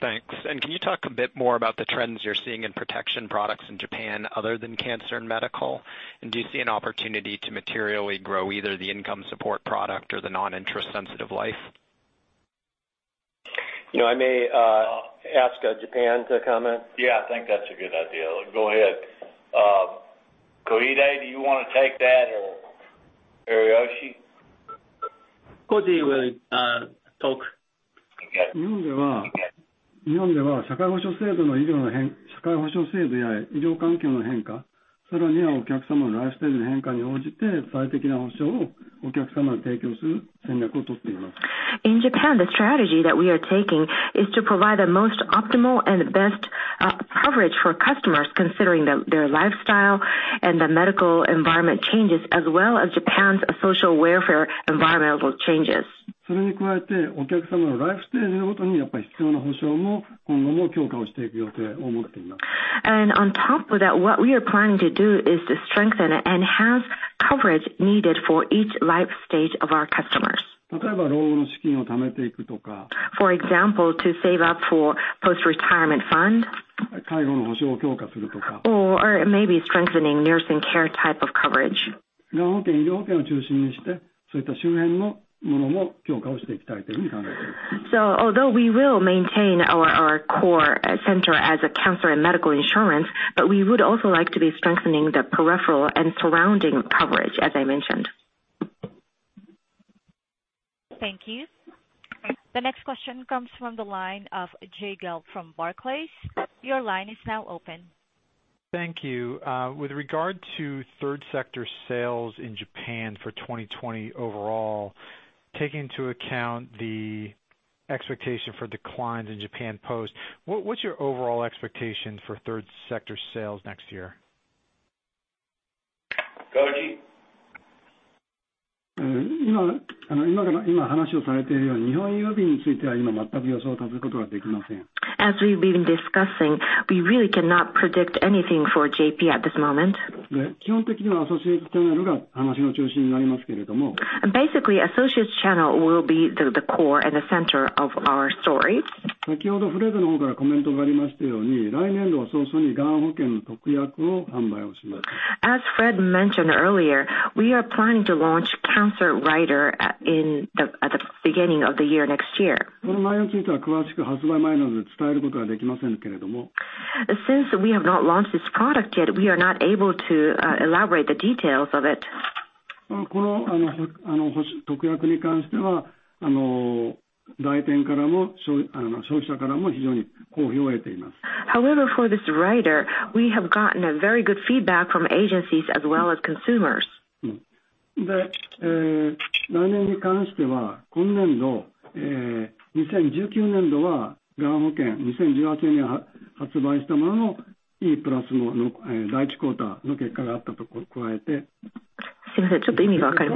Thanks. Can you talk a bit more about the trends you're seeing in protection products in Japan other than cancer and medical? Do you see an opportunity to materially grow either the income support product or the non-interest sensitive life? I may ask Japan to comment. Yeah, I think that's a good idea. Go ahead. Koide, do you want to take that or Ariyoshi? Koji will talk. Okay. In Japan, the strategy that we are taking is to provide the most optimal and best coverage for customers considering their lifestyle and the medical environment changes as well as Japan's social welfare environmental changes. On top of that, what we are planning to do is to strengthen and enhance coverage needed for each life stage of our customers. For example, to save up for post-retirement fund or maybe strengthening nursing care type of coverage. Although we will maintain our core center as a cancer and medical insurance, but we would also like to be strengthening the peripheral and surrounding coverage, as I mentioned. Thank you. The next question comes from the line of Jay Gelb from Barclays. Your line is now open. Thank you. With regard to third sector sales in Japan for 2020 overall, taking into account the expectation for declines in Japan Post, what's your overall expectation for third sector sales next year? Koji? As we've been discussing, we really cannot predict anything for JP at this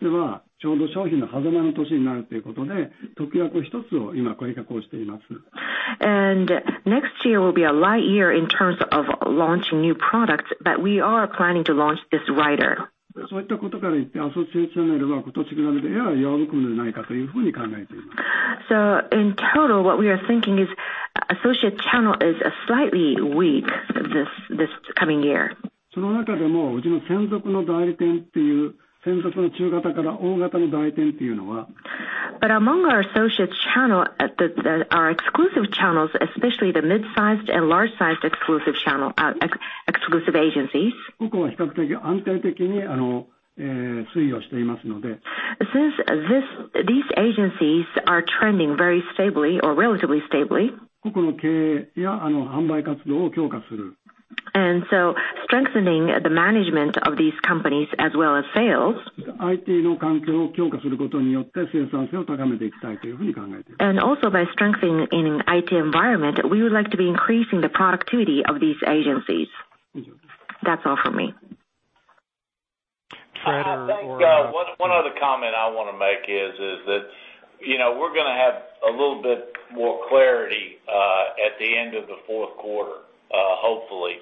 moment. Basically, associates channel will be the core hopefully.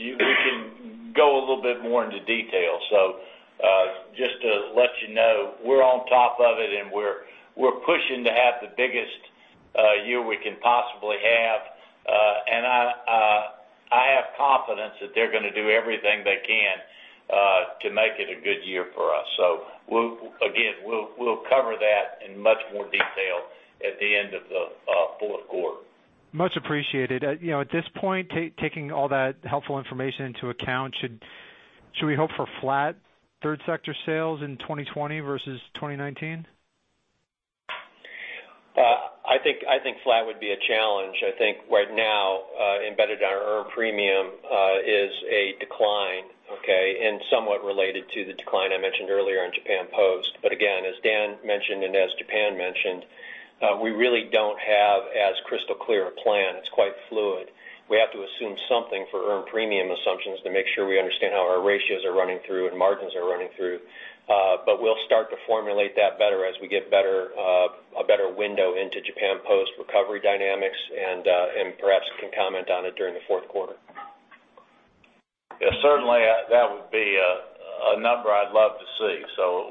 We can go a little bit more into detail. Just to let you know, we're on top of it, and we're pushing to have the biggest year we can possibly have. I have confidence that they're going to do everything they can to make it a good year for us. Again, we'll cover that in much more detail at the end of the fourth quarter. Much appreciated. At this point, taking all that helpful information into account, should we hope for flat third sector sales in 2020 versus 2019? I think flat would be a challenge. I think right now, embedded in our earned premium is a decline, okay, and somewhat related to the decline I mentioned earlier in Japan Post. Again, as Dan mentioned and as Japan mentioned, we really don't have as crystal clear a plan. It's quite fluid. We have to assume something for earned premium assumptions to make sure we understand how our ratios are running through and margins are running through. We'll start to formulate that better as we get a better window into Japan Post recovery dynamics and perhaps can comment on it during the fourth quarter. Yeah, certainly, that would be a number I'd love to see.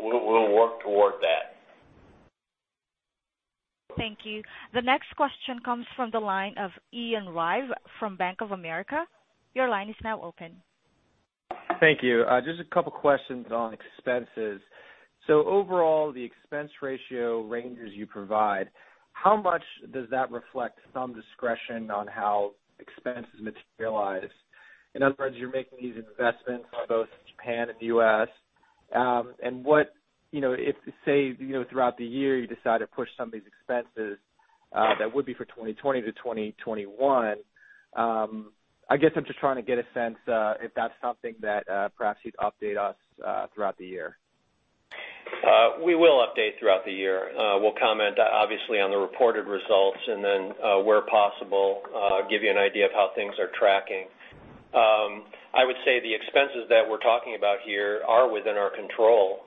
We'll work toward that. Thank you. The next question comes from the line of Ian Ryave from Bank of America. Your line is now open. Thank you. Just a couple questions on expenses. Overall, the expense ratio ranges you provide, how much does that reflect some discretion on how expenses materialize? In other words, you're making these investments in both Japan and the U.S. If, say, throughout the year you decide to push some of these expenses that would be for 2020 to 2021, I guess I'm just trying to get a sense if that's something that perhaps you'd update us throughout the year. We will update throughout the year. We'll comment obviously on the reported results and then, where possible, give you an idea of how things are tracking. I would say the expenses that we're talking about here are within our control.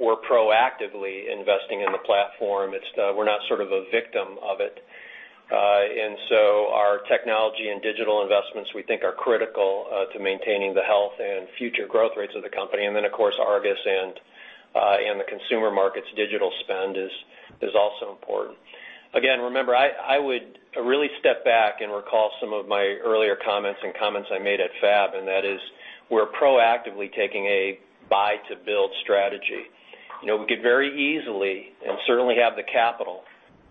We're proactively investing in the platform. We're not sort of a victim of it. Our technology and digital investments, we think, are critical to maintaining the health and future growth rates of the company. Of course, Argus and the consumer markets digital spend is also important. Again, remember, I would really step back and recall some of my earlier comments and comments I made at FAB, and that is we're proactively taking a buy-to-build strategy. We could very easily and certainly have the capital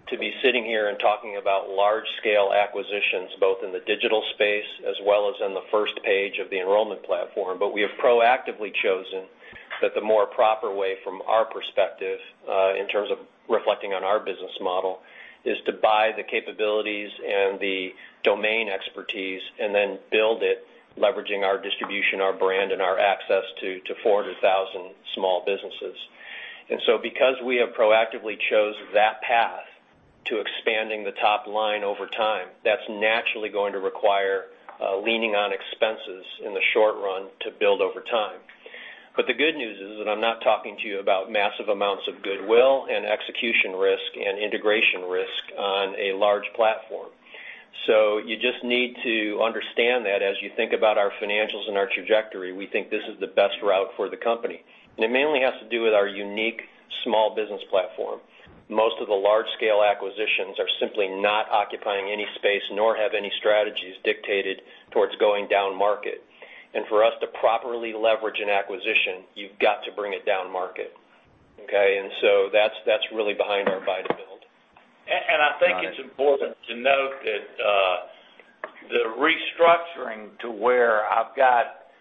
to be sitting here and talking about large-scale acquisitions, both in the digital space as well as on the first page of the enrollment platform. We have proactively chosen that the more proper way from our perspective, in terms of reflecting on our business model, is to buy the capabilities and the domain expertise and then build it, leveraging our distribution, our brand, and our access to 400,000 small businesses. Because we have proactively chose that path to expanding the top line over time, that's naturally going to require leaning on expenses in the short run to build over time. The good news is that I'm not talking to you about massive amounts of goodwill and execution risk and integration risk on a large platform. You just need to understand that as you think about our financials and our trajectory, we think this is the best route for the company. It mainly has to do with our unique small business platform. Most of the large-scale acquisitions are simply not occupying any space nor have any strategies dictated towards going down market. For us to properly leverage an acquisition, you've got to bring it down market. Okay? That's really behind our buy to build. I think it's important to note that the restructuring to where I've got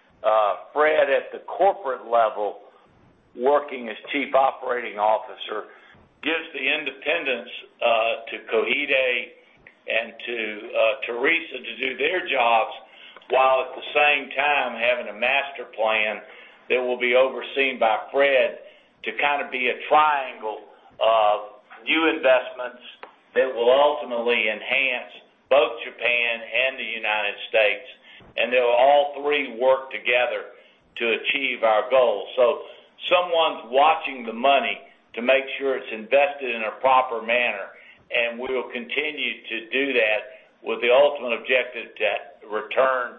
Fred at the corporate level working as Chief Operating Officer gives the independence to Koji and to Teresa to do their jobs, while at the same time having a master plan that will be overseen by Fred to kind of be a triangle of new investments that will ultimately enhance both Japan and the U.S., and they'll all three work together to achieve our goals. Someone's watching the money to make sure it's invested in a proper manner, and we will continue to do that with the ultimate objective to return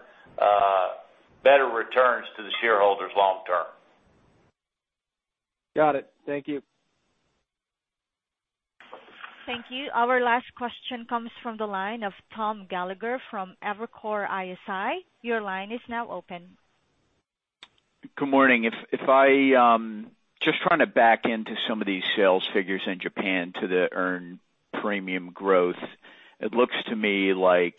better returns to the shareholders long term. Got it. Thank you. Thank you. Our last question comes from the line of Thomas Gallagher from Evercore ISI. Your line is now open. Good morning. Just trying to back into some of these sales figures in Japan to the earned premium growth. It looks to me like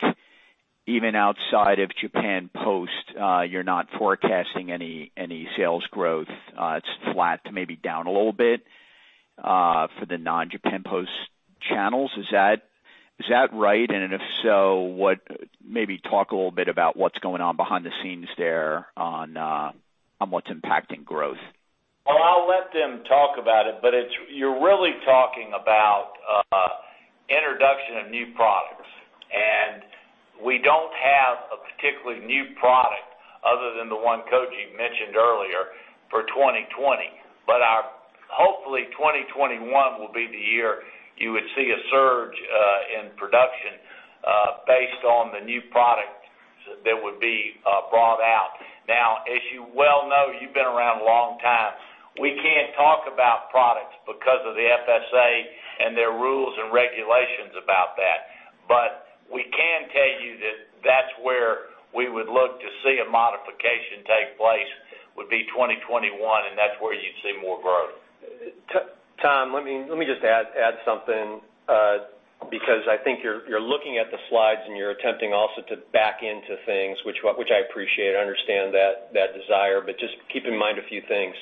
even outside of Japan Post, you're not forecasting any sales growth. It's flat to maybe down a little bit, for the non-Japan Post channels. Is that right? If so, maybe talk a little bit about what's going on behind the scenes there on what's impacting growth. Well, I'll let them talk about it, you're really talking about introduction of new products. We don't have a particularly new product other than the one Koji mentioned earlier for 2020. Hopefully 2021 will be the year you would see a surge in production based on the new products that would be brought out. As you well know, you've been around a long time, we can't talk about products because of the FSA and their rules and regulations about that. We can tell you that that's where we would look to see a modification take place, would be 2021, that's where you'd see more growth. Tom, let me just add something, because I think you're looking at the slides and you're attempting also to back into things, which I appreciate. I understand that desire, just keep in mind a few things.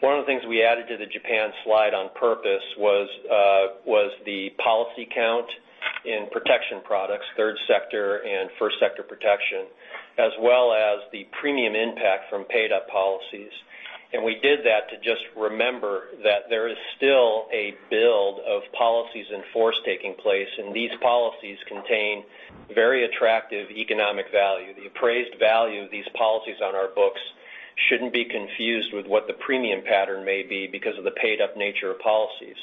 One of the things we added to the Japan slide on purpose was the policy count in protection products, third sector and first sector protection, as well as the premium impact from paid-up policies. We did that to just remember that there is still a build of policies in force taking place, and these policies contain very attractive economic value. The appraised value of these policies on our books shouldn't be confused with what the premium pattern may be because of the paid-up nature of policies.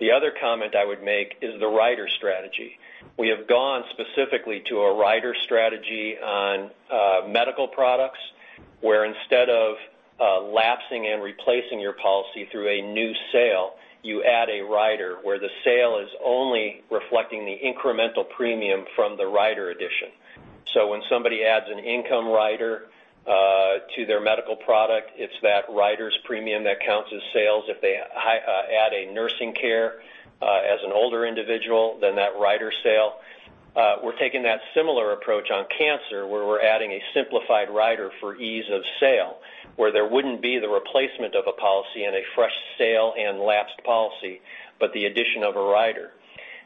The other comment I would make is the rider strategy. We have gone specifically to a rider strategy on medical products, where instead of lapsing and replacing your policy through a new sale, you add a rider where the sale is only reflecting the incremental premium from the rider addition. When somebody adds an income rider to their medical product, it is that rider's premium that counts as sales. If they add a nursing care as an older individual, that rider sale. We are taking that similar approach on cancer, where we are adding a simplified rider for ease of sale, where there wouldn't be the replacement of a policy and a fresh sale and lapsed policy, but the addition of a rider.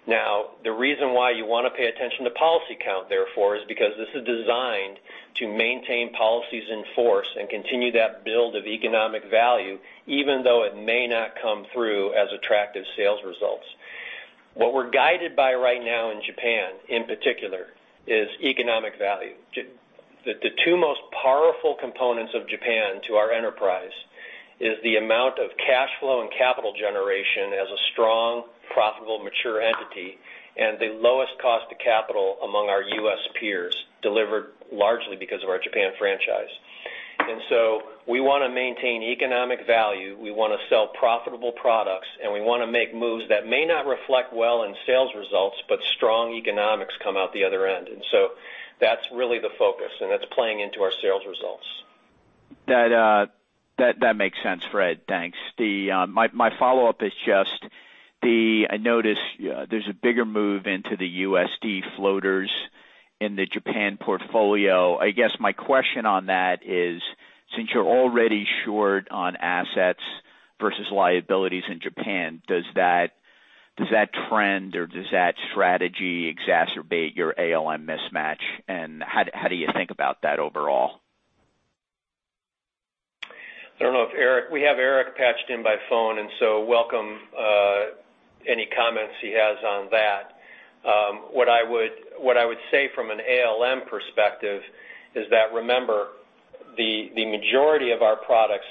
The reason why you want to pay attention to policy count, therefore, is because this is designed to maintain policies in force and continue that build of economic value, even though it may not come through as attractive sales results. What we are guided by right now in Japan, in particular, is economic value. The two most powerful components of Japan to our enterprise is the amount of cash flow and capital generation as a strong, profitable, mature entity, and the lowest cost of capital among our U.S. peers, delivered largely because of our Japan franchise. We want to maintain economic value, we want to sell profitable products, and we want to make moves that may not reflect well in sales results, but strong economics come out the other end. That is really the focus, and that is playing into our sales results. That makes sense, Fred. Thanks. My follow-up is just I noticed there is a bigger move into the USD floaters in the Japan portfolio. I guess my question on that is, since you are already short on assets versus liabilities in Japan, does that trend or does that strategy exacerbate your ALM mismatch? How do you think about that overall? I don't know if we have Eric patched in by phone, welcome any comments he has on that. What I would say from an ALM perspective is that, remember, the majority of our products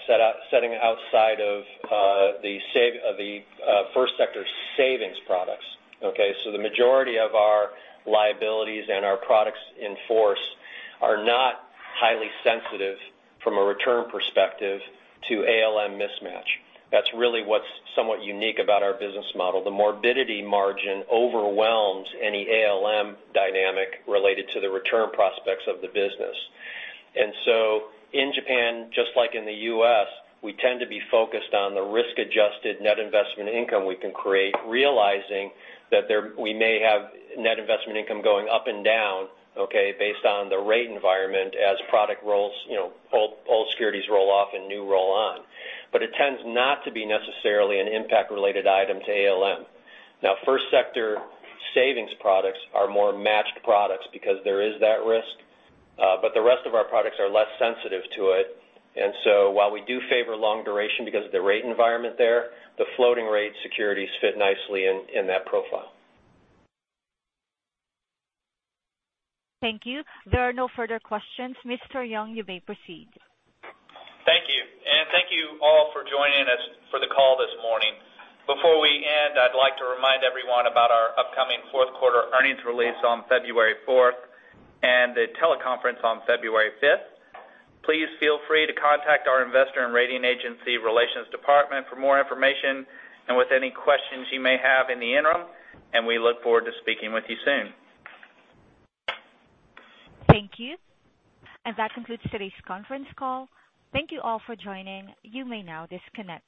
setting outside of the first sector savings products, okay? The majority of our liabilities and our products in force are not highly sensitive from a return perspective to ALM mismatch. That is really what is somewhat unique about our business model. The morbidity margin overwhelms any ALM dynamic related to the return prospects of the business. In Japan, just like in the U.S., we tend to be focused on the risk-adjusted net investment income we can create, realizing that we may have net investment income going up and down, okay, based on the rate environment as product rolls, old securities roll off and new roll on. It tends not to be necessarily an impact-related item to ALM. First sector savings products are more matched products because there is that risk. The rest of our products are less sensitive to it. While we do favor long duration because of the rate environment there, the floating rate securities fit nicely in that profile. Thank you. There are no further questions. Mr. Young, you may proceed. Thank you. Thank you all for joining us for the call this morning. Before we end, I'd like to remind everyone about our upcoming fourth quarter earnings release on February fourth, and the teleconference on February fifth. Please feel free to contact our investor and rating agency relations department for more information and with any questions you may have in the interim, and we look forward to speaking with you soon. Thank you. That concludes today's conference call. Thank you all for joining. You may now disconnect.